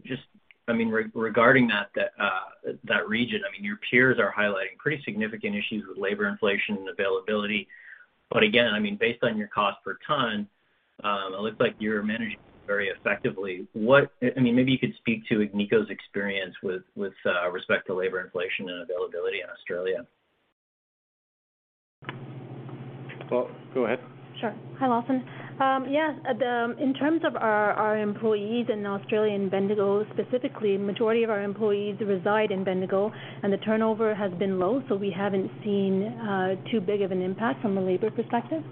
J: Just, I mean, regarding that region, I mean, your peers are highlighting pretty significant issues with labor inflation and availability. Again, I mean, based on your cost per ton, it looks like you're managing very effectively. I mean, maybe you could speak to Agnico's experience with respect to labor inflation and availability in Australia.
B: Well, go ahead.
C: Sure. Hi, Lawson. In terms of our employees in Australia, in Bendigo specifically, majority of our employees reside in Bendigo, and the turnover has been low, so we haven't seen too big of an impact from a labor perspective.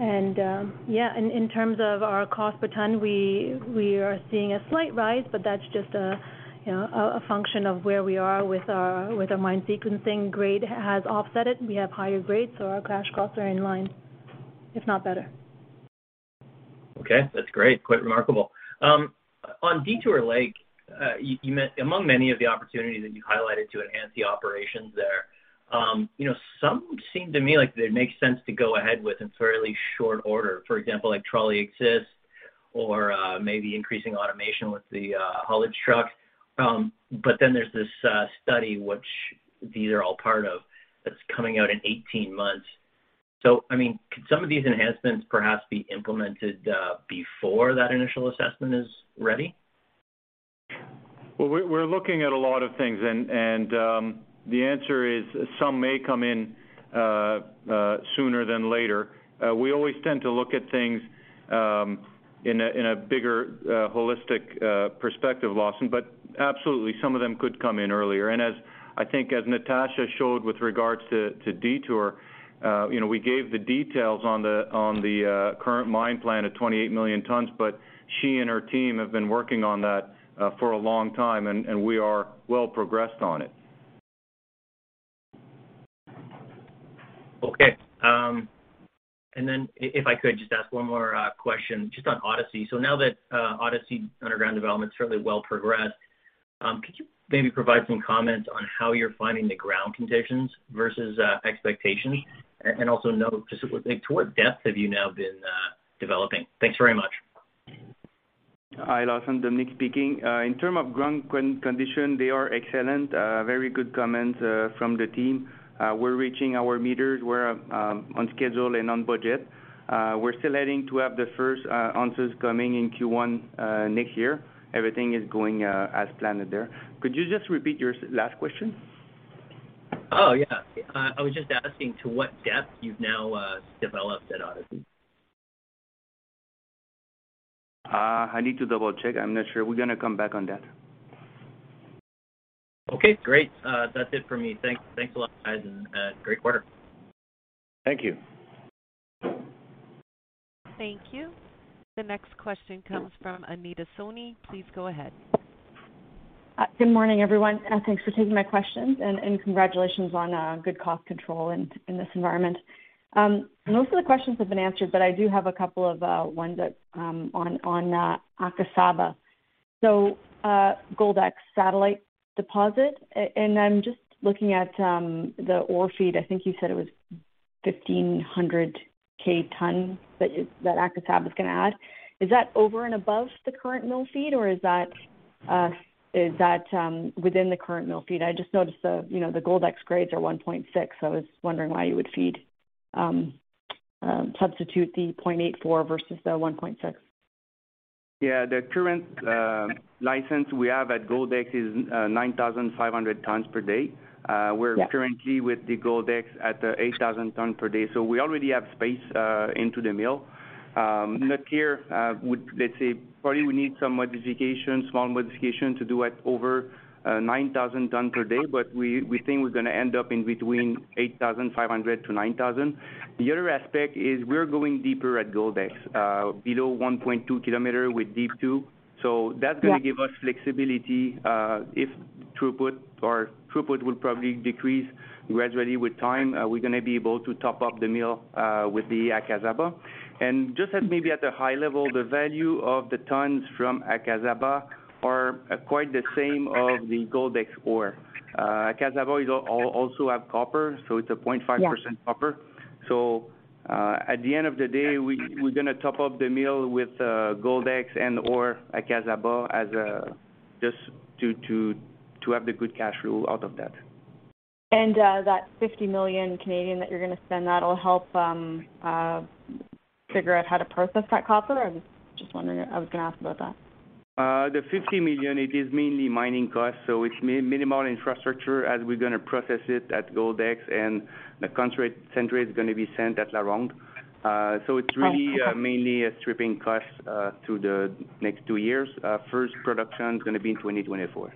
C: In terms of our cost per ton, we are seeing a slight rise, but that's just a you know a function of where we are with our mine sequencing. Grade has offset it. We have higher grades, so our cash costs are in line, if not better.
J: Okay, that's great. Quite remarkable. On Detour Lake, among many of the opportunities that you highlighted to enhance the operations there, you know, some seem to me like they make sense to go ahead with in fairly short order. For example, like trolley assist or maybe increasing automation with the haulage truck. There's this study which these are all part of that's coming out in 18 months. I mean, could some of these enhancements perhaps be implemented before that initial assessment is ready?
B: Well, we're looking at a lot of things and the answer is some may come in sooner than later. We always tend to look at things in a bigger holistic perspective, Lawson, but absolutely, some of them could come in earlier. As I think Natasha showed with regards to Detour, you know, we gave the details on the current mine plan of 28 million tons, but she and her team have been working on that for a long time, and we are well progressed on it.
J: If I could just ask one more question just on Odyssey. Now that Odyssey underground development's fairly well progressed, could you maybe provide some comments on how you're finding the ground conditions versus expectations? Also, just like to what depth have you now been developing? Thanks very much.
K: Hi, Lawson, Dominic speaking. In terms of ground conditions, they are excellent. Very good comments from the team. We're reaching our meters. We're on schedule and on budget. We're still aiming to have the first assays coming in Q1 next year. Everything is going as planned there. Could you just repeat your last question?
J: Oh, yeah. I was just asking to what depth you've now developed at Odyssey?
K: I need to double-check. I'm not sure. We're gonna come back on that.
J: Okay, great. That's it for me. Thanks a lot, guys, and great quarter.
B: Thank you.
A: Thank you. The next question comes from Anita Soni. Please go ahead.
L: Good morning, everyone. Thanks for taking my questions and congratulations on good cost control in this environment. Most of the questions have been answered, but I do have a couple of ones on Akasaba. Goldex satellite deposit, and I'm just looking at the ore feed. I think you said it was 1,500 K ton that Akasaba's gonna add. Is that over and above the current mill feed, or is that within the current mill feed? I just noticed, you know, the Goldex grades are 1.6, so I was wondering why you would substitute the 0.84 versus the 1.6.
K: Yeah. The current license we have at Goldex is 9,500 tons per day.
B: Yeah
K: We're currently with the Goldex at 8,000 ton per day. We already have space into the mill. Let's say probably we need some modifications, small modification to do at over 9,000 ton per day, but we think we're gonna end up between 8,500-9,000. The other aspect is we're going deeper at Goldex below 1.2 kilometer with Deep 2. That's
C: Yeah
K: gonna give us flexibility, if throughput will probably decrease gradually with time. We're gonna be able to top up the mill with the Akasaba. Just as maybe at a high level, the value of the tons from Akasaba are quite the same of the Goldex ore. Akasaba is also have copper, so it's a 0.5%.
L: Yeah
K: copper. At the end of the day, we're gonna top up the mill with Goldex and/or Akasaba just to have the good cash flow out of that.
L: That 50 million that you're gonna spend, that'll help figure out how to process that copper? I'm just wondering. I was gonna ask about that.
K: The $50 million, it is mainly mining costs, so it's minimal infrastructure as we're gonna process it at Goldex and the concentrate is gonna be sent at LaRonde. So it's really
L: Oh, okay.
K: Mainly a stripping cost to the next two years. First production's gonna be in 2024.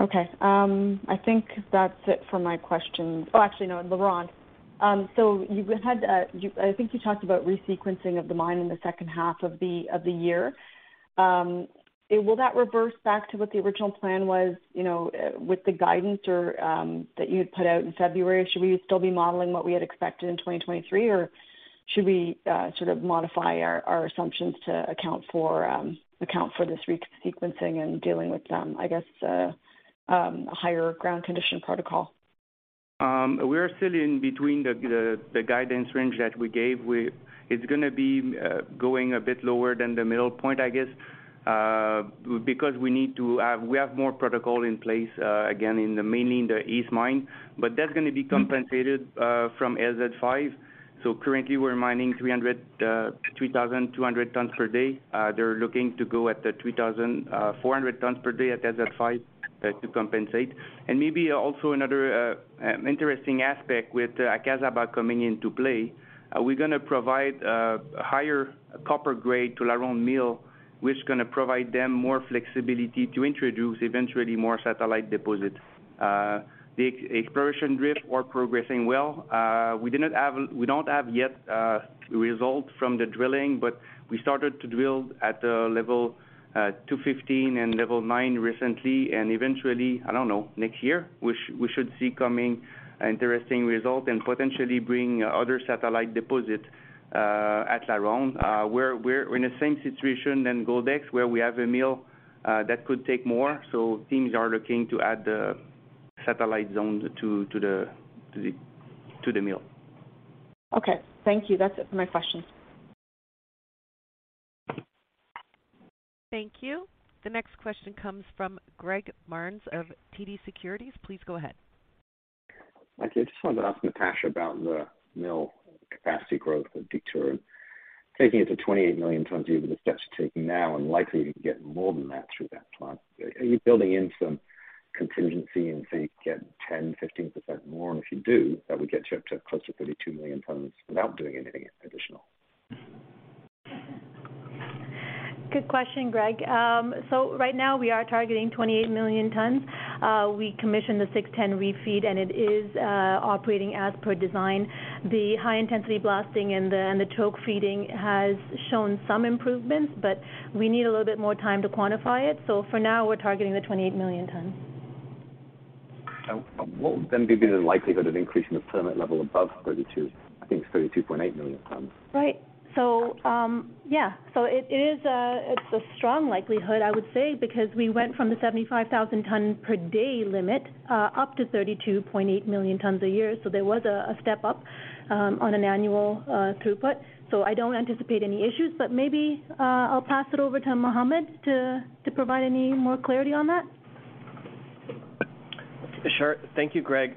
L: Okay. I think that's it for my questions. Actually, no, LaRonde. So you've had I think you talked about resequencing of the mine in the second half of the year. Will that reverse back to what the original plan was, you know, with the guidance or that you'd put out in February? Should we still be modeling what we had expected in 2023, or should we sort of modify our assumptions to account for this re-sequencing and dealing with I guess higher ground condition protocol?
K: We are still in between the guidance range that we gave. It's gonna be going a bit lower than the middle point, I guess, because we have more protocol in place, again, mainly in the East Mine. That's gonna be compensated from LZ 5. Currently we're mining 3,200 tons per day. They're looking to go at the 3,400 tons per day at LZ 5 to compensate. Maybe also another interesting aspect with Akasaba coming into play, we're gonna provide higher copper grade to LaRonde Mill, which is gonna provide them more flexibility to introduce eventually more satellite deposits. The exploration drift, we're progressing well. We don't have yet result from the drilling, but we started to drill at level 215 and level 9 recently, and eventually, I don't know, next year, we should see coming interesting result and potentially bring other satellite deposits at LaRonde. We're in the same situation than Goldex, where we have a mill that could take more, so teams are looking to add satellite zones to the mill.
L: Okay. Thank you. That's it for my questions.
A: Thank you. The next question comes from Greg Barnes of TD Securities. Please go ahead.
M: I just wanted to ask Natasha about the mill capacity growth of Detour and taking it to 28 million tons a year with the steps you're taking now and likely to get more than that through that plant. Are you building in some contingency and think get 10, 15% more? If you do, that would get you up to close to 32 million tons without doing anything additional.
C: Good question, Greg. Right now we are targeting 28 million tons. We commissioned the six-ten refeed, and it is operating as per design. The high-intensity blasting and the choke feeding has shown some improvements, but we need a little bit more time to quantify it. For now we're targeting the 28 million tons.
M: What would then be the likelihood of increasing the permit level above 32, I think it's 32.8 million tons?
C: It is a strong likelihood, I would say, because we went from the 75,000 tons per day limit up to 32.8 million tons a year. There was a step up on an annual throughput. I don't anticipate any issues, but maybe I'll pass it over to Mohammed to provide any more clarity on that.
N: Sure. Thank you, Greg.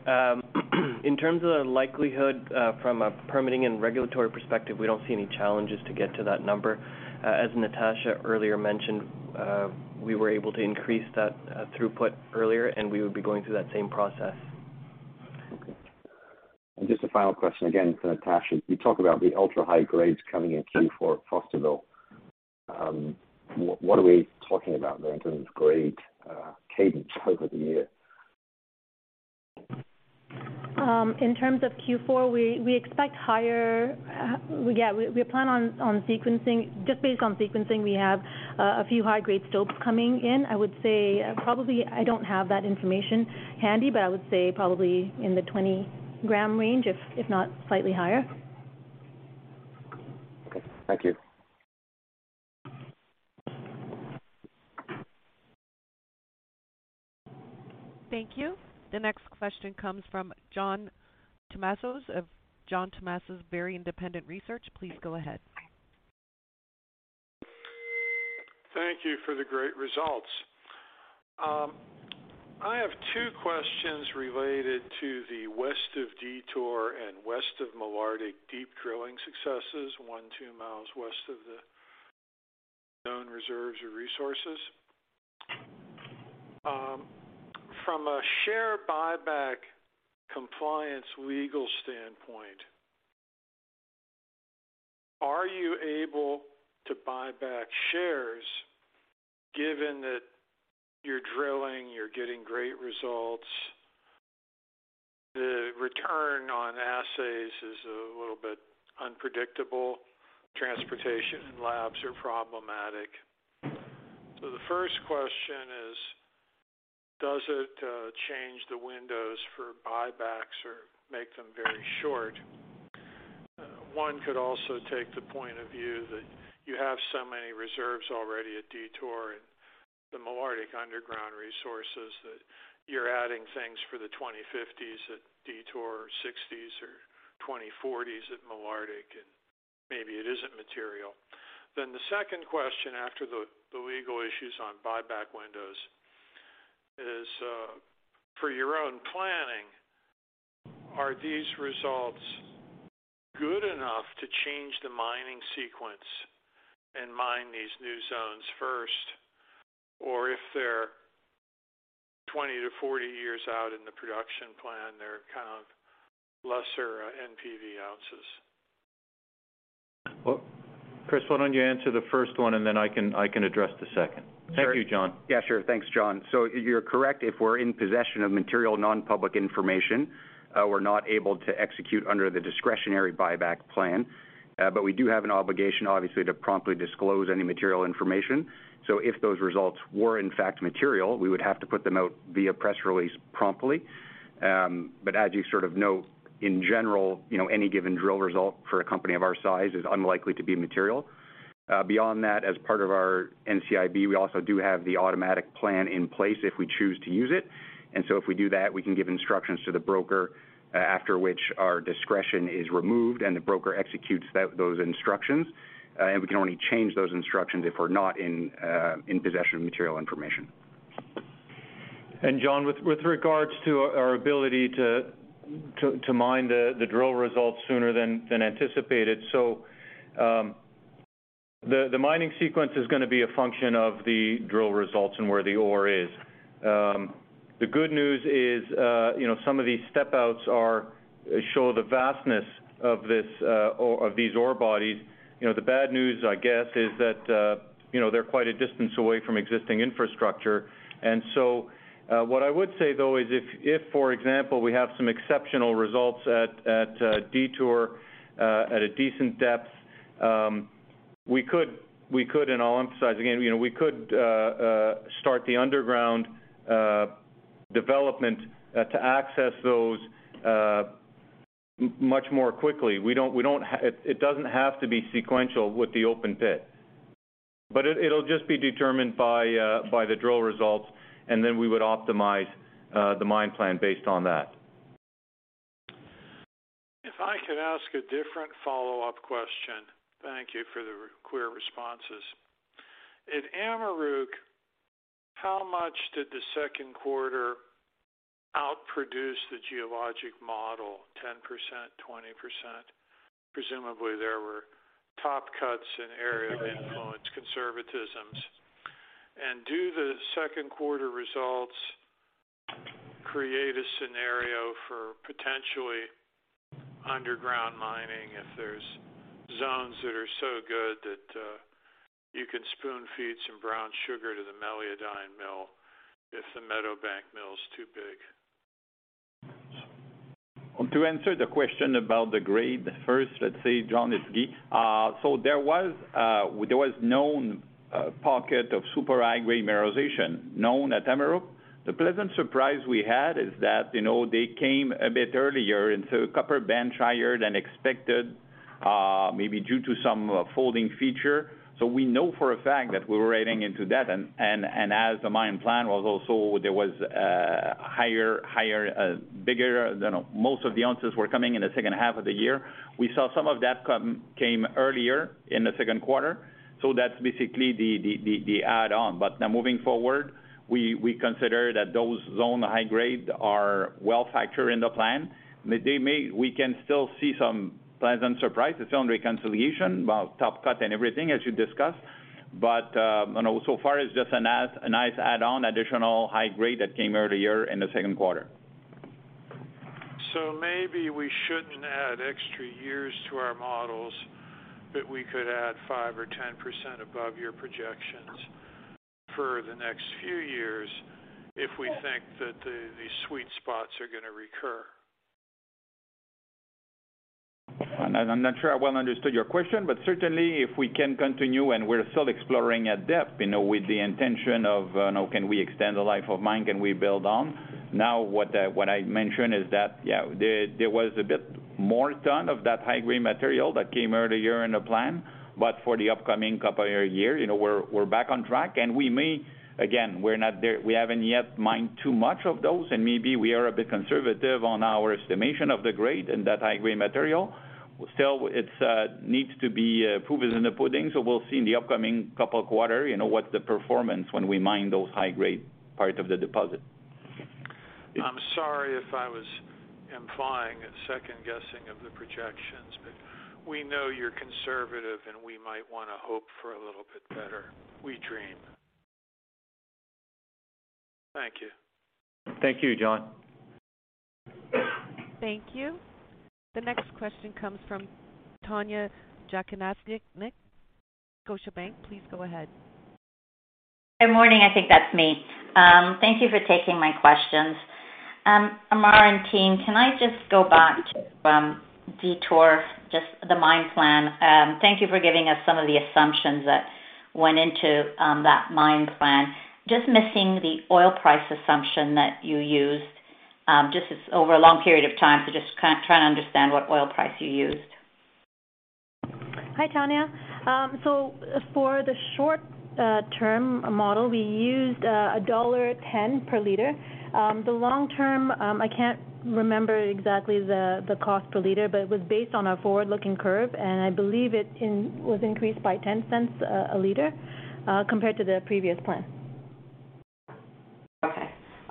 N: In terms of the likelihood, from a permitting and regulatory perspective, we don't see any challenges to get to that number. As Natasha earlier mentioned, we were able to increase that, throughput earlier, and we would be going through that same process.
M: Okay. Just a final question, again for Natasha. You talk about the ultra-high grades coming in Q4 at Fosterville. What are we talking about there in terms of grade, cadence over the year?
C: In terms of Q4, we expect higher. We plan on sequencing. Just based on sequencing, we have a few high-grade stopes coming in. I would say probably I don't have that information handy, but I would say probably in the 20-gram range, if not slightly higher.
M: Okay. Thank you.
A: Thank you. The next question comes from John Tumazos of John Tumazos Very Independent Research LLC. Please go ahead.
O: Thank you for the great results. I have two questions related to the west of Detour and west of Malartic deep drilling successes, 1-2 miles west of the known reserves or resources. From a share buyback compliance legal standpoint, are you able to buy back shares given that you're drilling, you're getting great results, the return on assays is a little bit unpredictable, transportation labs are problematic. The first question is, does it change the windows for buybacks or make them very short? One could also take the point of view that you have so many reserves already at Detour and the Malartic underground resources that you're adding things for the 2050s at Detour or 2060s or 2040s at Malartic, and maybe it isn't material. The second question after the legal issues on buyback windows is, for your own planning, are these results good enough to change the mining sequence and mine these new zones first? Or if they're 20-40 years out in the production plan, they're kind of lesser NPV ounces.
B: Well, Chris, why don't you answer the first one, and then I can address the second. Thank you, John.
P: Yeah, sure. Thanks, John. You're correct. If we're in possession of material, non-public information, we're not able to execute under the discretionary buyback plan. But we do have an obligation, obviously, to promptly disclose any material information. If those results were in fact material, we would have to put them out via press release promptly. But as you sort of note, in general, you know, any given drill result for a company of our size is unlikely to be material. Beyond that, as part of our NCIB, we also do have the automatic plan in place if we choose to use it. If we do that, we can give instructions to the broker, after which our discretion is removed and the broker executes those instructions. We can only change those instructions if we're not in possession of material information.
B: John, with regards to our ability to mine the drill results sooner than anticipated. The mining sequence is gonna be a function of the drill results and where the ore is. The good news is, you know, some of these step outs show the vastness of these ore bodies. You know, the bad news, I guess, is that, you know, they're quite a distance away from existing infrastructure. What I would say though is if, for example, we have some exceptional results at Detour at a decent depth, we could, and I'll emphasize again, you know, we could start the underground development to access those much more quickly. It doesn't have to be sequential with the open pit. It'll just be determined by the drill results, and then we would optimize the mine plan based on that.
O: If I could ask a different follow-up question. Thank you for the clear responses. At Amaruq, how much did the second quarter outproduce the geologic model? 10%? 20%? Presumably, there were top cuts in area of influence conservatisms. Do the second quarter results create a scenario for potentially underground mining if there's zones that are so good that you can spoon feed some brown sugar to the Meliadine mill if the Meadowbank mill is too big?
H: To answer the question about the grade first, let's say John, it's Guy. There was known pocket of super high-grade mineralization known at Amaruq. The pleasant surprise we had is that, you know, they came a bit earlier, and so copper band higher than expected, maybe due to some folding feature. We know for a fact that we're riding into that. As the mine plan was also there was higher bigger, you know, most of the ounces were coming in the second half of the year. We saw some of that came earlier in the second quarter, so that's basically the add-on. Now moving forward, we consider that those zone high grade are well factored in the plan. They may. We can still see some pleasant surprise. It's on reconciliation about top cut and everything, as you discussed. You know, so far it's just a nice add-on, additional high grade that came earlier in the second quarter.
O: Maybe we shouldn't add extra years to our models, but we could add 5% or 10% above your projections for the next few years if we think that the sweet spots are gonna recur.
H: I'm not sure I well understood your question, but certainly if we can continue and we're still exploring at depth, you know, with the intention of, can we extend the life of mine, can we build on? Now, what I mentioned is that, yeah, there was a bit more done of that high-grade material that came early in the year in the plan. For the upcoming couple of years, you know, we're back on track and we may, again, we're not there. We haven't yet mined too much of those, and maybe we are a bit conservative on our estimation of the grade in that high-grade material. Still, it needs to be. Proof is in the pudding, so we'll see in the upcoming couple of quarters, you know, what the performance when we mine those high-grade parts of the deposit.
O: I'm sorry if I was implying a second guessing of the projections, but we know you're conservative, and we might wanna hope for a little bit better. We dream. Thank you.
H: Thank you, John.
A: Thank you. The next question comes from Tanya Jakusconek, Scotiabank. Please go ahead.
Q: Good morning. I think that's me. Thank you for taking my questions. Ammar and team, can I just go back to Detour, just the mine plan? Thank you for giving us some of the assumptions that went into that mine plan. Just missing the oil price assumption that you used, just to cover a long period of time, so just try and understand what oil price you used.
C: Hi, Tanya. For the short term model, we used $1.10 per liter. The long term, I can't remember exactly the cost per liter, but it was based on our forward-looking curve, and I believe it was increased by $0.10 a liter compared to the previous plan.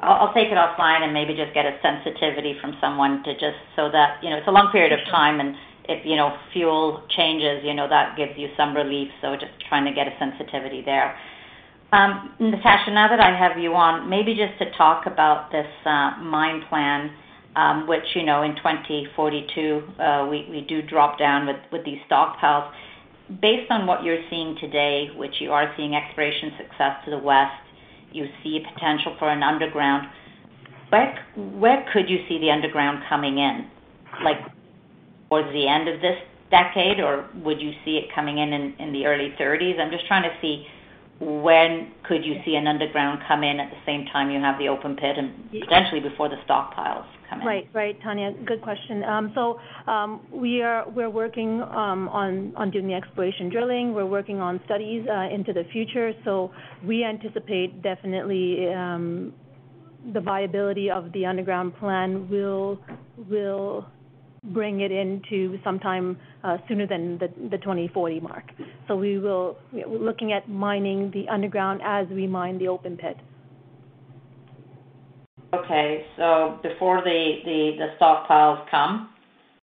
Q: Okay. I'll take it offline and maybe just get a sensitivity from someone to just so that, you know, it's a long period of time, and if, you know, fuel changes, you know, that gives you some relief. Just trying to get a sensitivity there. Natasha, now that I have you on, maybe just to talk about this mine plan, which, you know, in 2042, we do drop down with these stockpiles. Based on what you're seeing today, which you are seeing exploration success to the west, you see a potential for an underground, where could you see the underground coming in? Like, towards the end of this decade, or would you see it coming in in the early 30s? I'm just trying to see when could you see an underground come in at the same time you have the open pit and potentially before the stockpiles come in?
C: Right. Right, Tanya. Good question. We're working on doing the exploration drilling. We're working on studies into the future. We anticipate definitely the viability of the underground plan will bring it into sometime sooner than the 2040 mark. We're looking at mining the underground as we mine the open pit.
Q: Before the stockpiles come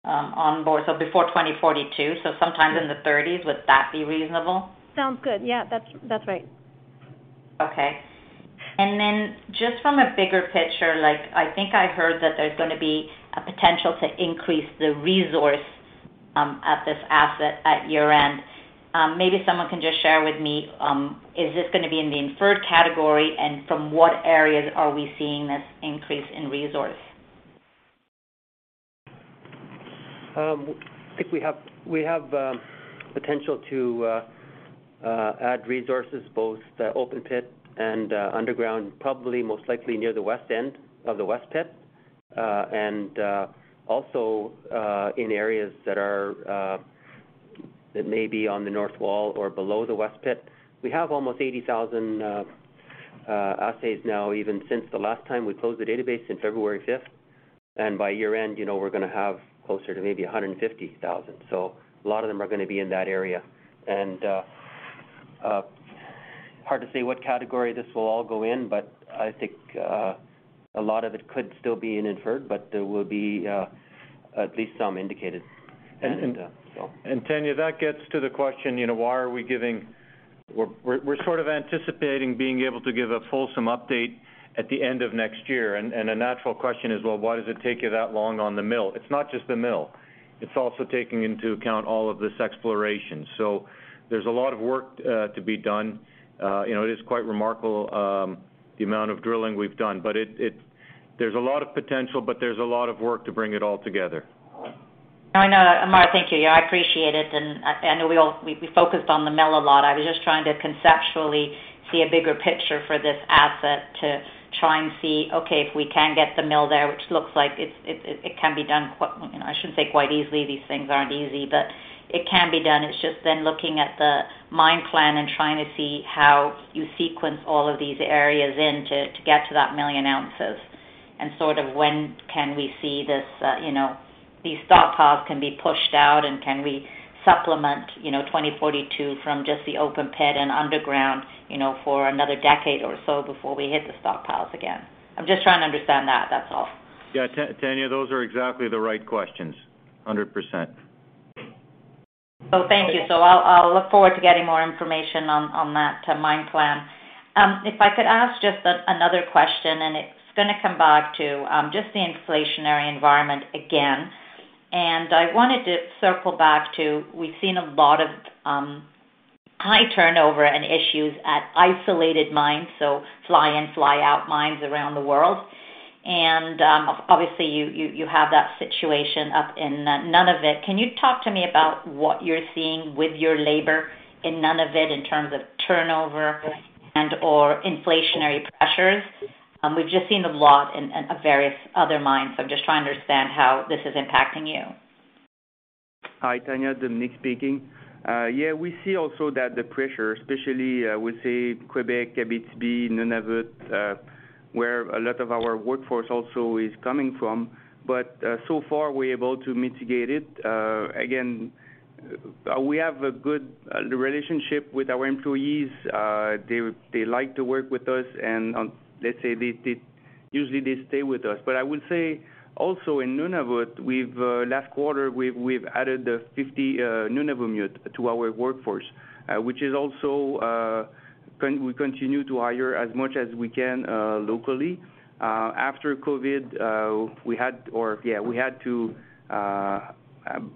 Q: on board, before 2042, sometime in the thirties, would that be reasonable?
C: Sounds good. Yeah. That's right.
Q: Okay. Just from a bigger picture, like I think I heard that there's gonna be a potential to increase the resource, at this asset at year-end. Maybe someone can just share with me, is this gonna be in the inferred category, and from what areas are we seeing this increase in resource?
D: I think we have potential to add resources, both the open pit and underground, probably most likely near the west end of the west pit, and also in areas that may be on the north wall or below the west pit. We have almost 80,000 assays now, even since the last time we closed the database since February Fifth. By year-end, you know, we're gonna have closer to maybe 150,000. A lot of them are gonna be in that area. Hard to say what category this will all go in, but I think a lot of it could still be in inferred, but there will be at least some indicated.
B: Tanya, that gets to the question, you know, why are we giving. We're sort of anticipating being able to give a fulsome update at the end of next year. A natural question is, well, why does it take you that long on the mill? It's not just the mill. It's also taking into account all of this exploration. There's a lot of work to be done. You know, it is quite remarkable, the amount of drilling we've done. But there's a lot of potential, but there's a lot of work to bring it all together.
Q: No, I know. Ammar, thank you. Yeah, I appreciate it. I know we all focused on the mill a lot. I was just trying to conceptually see a bigger picture for this asset to try and see, okay, if we can get the mill there, which looks like it can be done, you know, I shouldn't say quite easily. These things aren't easy, but it can be done. It's just then looking at the mine plan and trying to see how you sequence all of these areas in to get to that million ounces and sort of when can we see this, you know, these stockpiles can be pushed out and can we supplement, you know, 2042 from just the open pit and underground, you know, for another decade or so before we hit the stockpiles again. I'm just trying to understand that's all.
B: Yeah, Tanya, those are exactly the right questions. 100%.
Q: Thank you. I'll look forward to getting more information on that mine plan. If I could ask just another question, it's gonna come back to just the inflationary environment again. I wanted to circle back to, we've seen a lot of high turnover and issues at isolated mines, so fly in, fly out mines around the world. Obviously, you have that situation up in Nunavut. Can you talk to me about what you're seeing with your labor in Nunavut in terms of turnover and/or inflationary pressures? We've just seen a lot in various other mines, so I'm just trying to understand how this is impacting you.
B: Hi, Tanya. Dominic speaking. Yeah, we see also that the pressure, especially in Quebec, Abitibi, Nunavut, where a lot of our workforce also is coming from, but so far, we're able to mitigate it. Again, we have a good relationship with our employees. They like to work with us, let's say they usually stay with us. I would say also in Nunavut, last quarter, we've added 50 Nunavummiut to our workforce, which is also, we continue to hire as much as we can locally. After COVID, we had to send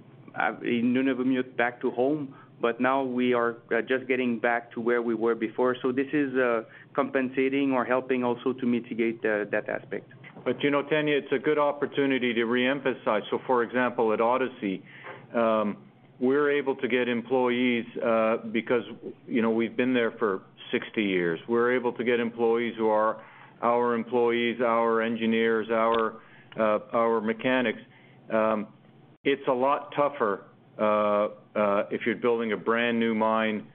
B: the Nunavummiut back home, but now we are just getting back to where we were before. This is compensating or helping also to mitigate that aspect. You know, Tanya, it's a good opportunity to re-emphasize. For example at Odyssey, we're able to get employees, because, you know, we've been there for 60 years. We're able to get employees who are our employees, our engineers, our mechanics. It's a lot tougher if you're building a brand-new mine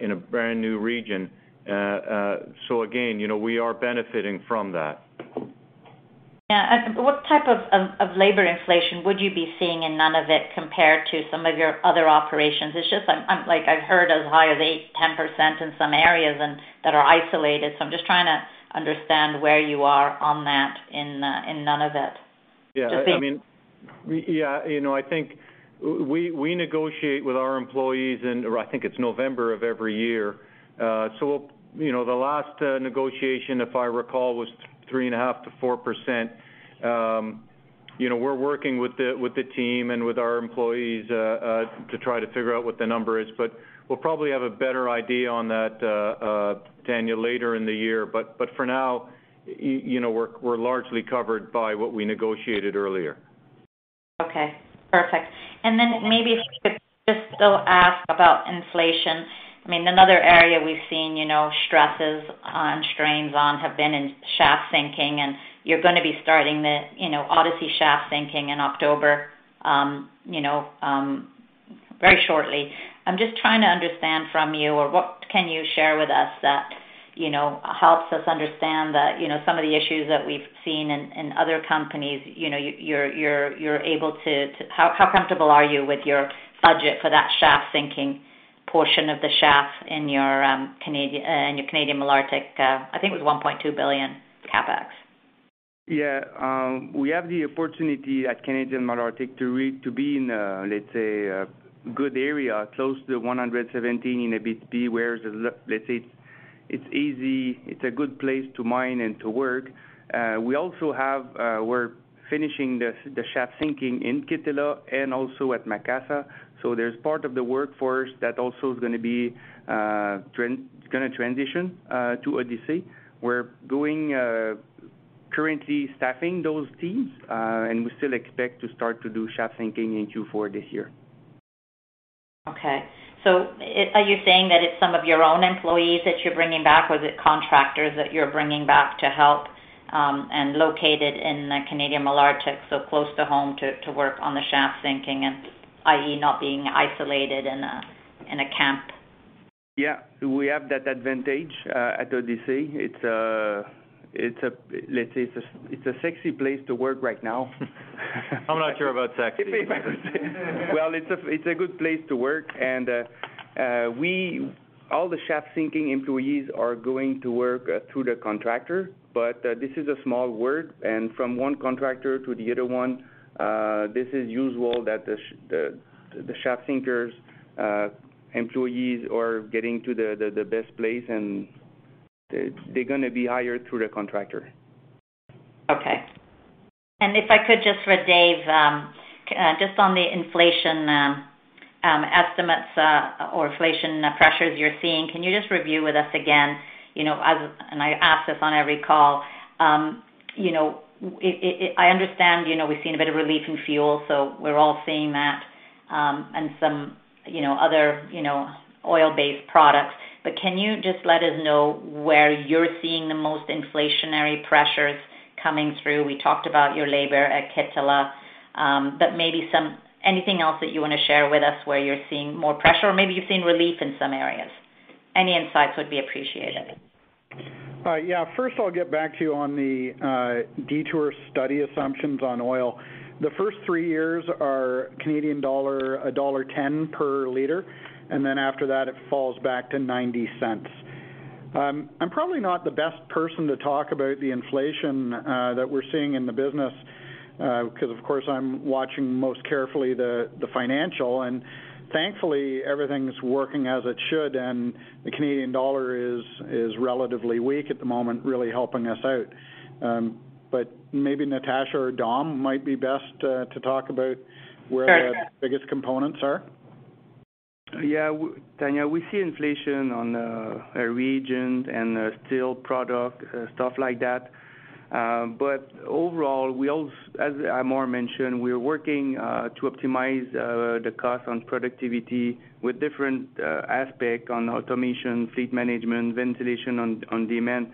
B: in a brand-new region. Again, you know, we are benefiting from that.
Q: What type of labor inflation would you be seeing in Nunavut compared to some of your other operations? It's just I'm like I've heard as high as 8-10% in some areas that are isolated, so I'm just trying to understand where you are on that in Nunavut. Just saying.
B: I mean, we negotiate with our employees in, or I think it's November of every year. So, you know, the last negotiation, if I recall, was 3.5%-4%. You know, we're working with the team and with our employees to try to figure out what the number is, but we'll probably have a better idea on that, Tania, later in the year. But for now, you know, we're largely covered by what we negotiated earlier.
Q: Okay. Perfect. Maybe if I could just still ask about inflation. I mean, another area we've seen, you know, stresses and strains on have been in shaft sinking, and you're gonna be starting the, you know, Odyssey shaft sinking in October, very shortly. I'm just trying to understand from you or what can you share with us that, you know, helps us understand that, you know, some of the issues that we've seen in other companies, you know, you're able to. How comfortable are you with your budget for that shaft sinking portion of the shaft in your Canadian Malartic, I think it was $1.2 billion CapEx?
B: Yeah. We have the opportunity at Canadian Malartic to be in a, let's say, a good area, close to Highway 117 in Abitibi, where let's say it's easy, it's a good place to mine and to work. We also have, we're finishing the shaft sinking in Kittilä and also at Macassa, so there's part of the workforce that also is gonna be, gonna transition, to Odyssey. We're going currently staffing those teams, and we still expect to start to do shaft sinking in Q4 this year. Okay. Are you saying that it's some of your own employees that you're bringing back, or is it contractors that you're bringing back to help, and located in the Canadian Malartic, so close to home to work on the shaft sinking and i.e., not being isolated in a camp? Yeah. We have that advantage at Odyssey. It's a, let's say, it's a sexy place to work right now. I'm not sure about sexy. Well, it's a good place to work. All the shaft sinking employees are going to work through the contractor, but this is a small work, and from one contractor to the other one, this is usual that the shaft sinkers employees are getting to the best place and they're gonna be hired through the contractor. Okay. If I could just for Dave, just on the inflation estimates, or inflation pressures you're seeing, can you just review with us again, you know, and I ask this on every call, you know, it. I understand, you know, we've seen a bit of relief in fuel, so we're all seeing that, and some other oil-based products. But can you just let us know where you're seeing the most inflationary pressures coming through? We talked about your labor at Kittila, but maybe anything else that you wanna share with us where you're seeing more pressure, or maybe you've seen relief in some areas. Any insights would be appreciated.
E: Yeah. First I'll get back to you on the Detour study assumptions on oil. The first three years are 1.10 Canadian dollar per liter, and then after that, it falls back to 0.90. I'm probably not the best person to talk about the inflation that we're seeing in the business, 'cause, of course, I'm watching most carefully the financial. Thankfully, everything's working as it should, and the Canadian dollar is relatively weak at the moment, really helping us out. Maybe Natasha or Dominic might be best to talk about where the biggest components are.
K: Yeah. Tania, we see inflation on regions and steel product stuff like that. But overall, as Ammar Al-Joundi mentioned, we're working to optimize the cost on productivity with different aspect on automation, fleet management, ventilation on demand,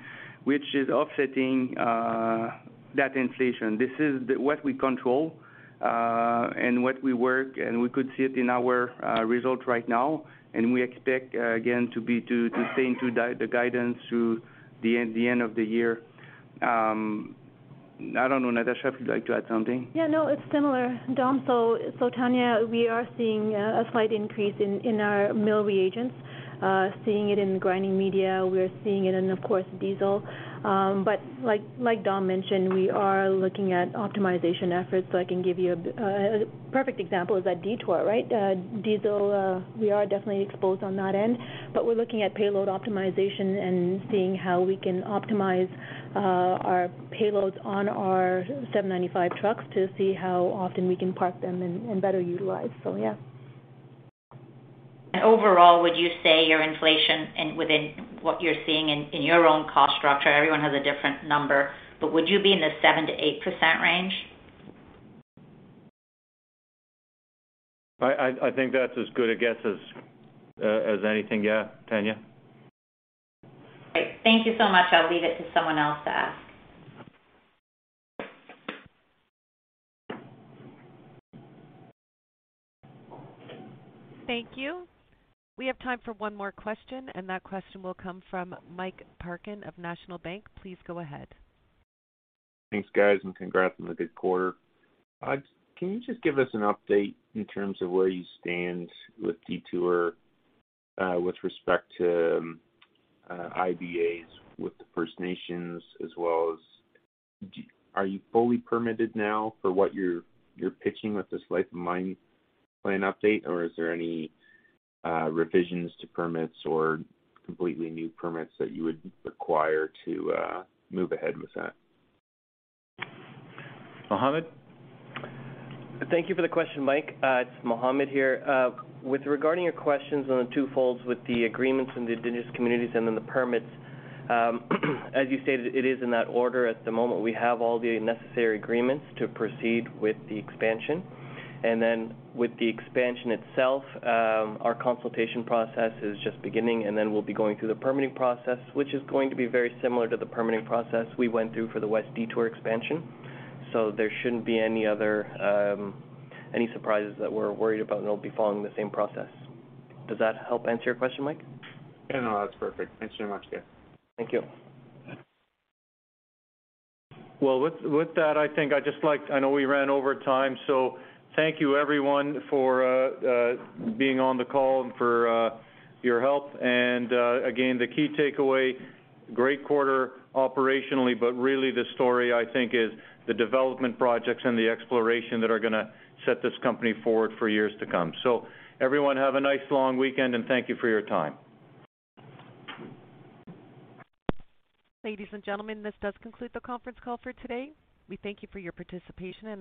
K: which is offsetting that inflation. This is what we control and what we work, and we could see it in our results right now. We expect, again, to stay into the guidance through the end of the year. I don't know, Natasha, if you'd like to add something.
C: Yeah, no, it's similar, Dom. Tanya, we are seeing a slight increase in our mill reagents. Seeing it in grinding media, we're seeing it in, of course, diesel. Like Dom mentioned, we are looking at optimization efforts. I can give you a perfect example is at Detour, right? Diesel, we are definitely exposed on that end, but we're looking at payload optimization and seeing how we can optimize our payloads on our 795 trucks to see how often we can park them and better utilize. Yeah.
Q: Overall, would you say your inflation is within what you're seeing in your own cost structure? Everyone has a different number, but would you be in the 7%-8% range?
B: I think that's as good a guess as anything, yeah. Tanya?
C: Great. Thank you so much. I'll leave it to someone else to ask.
A: Thank you. We have time for one more question, and that question will come from Mike Parkin of National Bank Financial. Please go ahead.
R: Thanks, guys, and congrats on the good quarter. Can you just give us an update in terms of where you stand with Detour with respect to IBAs with the First Nations as well as, are you fully permitted now for what you're pitching with this life of mine plan update or is there any revisions to permits or completely new permits that you would require to move ahead with that?
B: Mohammed?
N: Thank you for the question, Mike. It's Mohammed here. Regarding your questions on the twofold with the agreements in the Indigenous communities and then the permits, as you stated, it is in that order at the moment. We have all the necessary agreements to proceed with the expansion. With the expansion itself, our consultation process is just beginning, and then we'll be going through the permitting process, which is going to be very similar to the permitting process we went through for the West Detour expansion. There shouldn't be any other surprises that we're worried about, and it'll be following the same process. Does that help answer your question, Mike?
R: Yeah, no, that's perfect. Thanks very much. Yeah.
N: Thank you.
B: Well, with that, I know we ran over time, so thank you, everyone, for being on the call and for your help. Again, the key takeaway, great quarter operationally, but really the story, I think, is the development projects and the exploration that are gonna set this company forward for years to come. Everyone have a nice long weekend, and thank you for your time.
A: Ladies and gentlemen, this does conclude the conference call for today. We thank you for your participation and ask.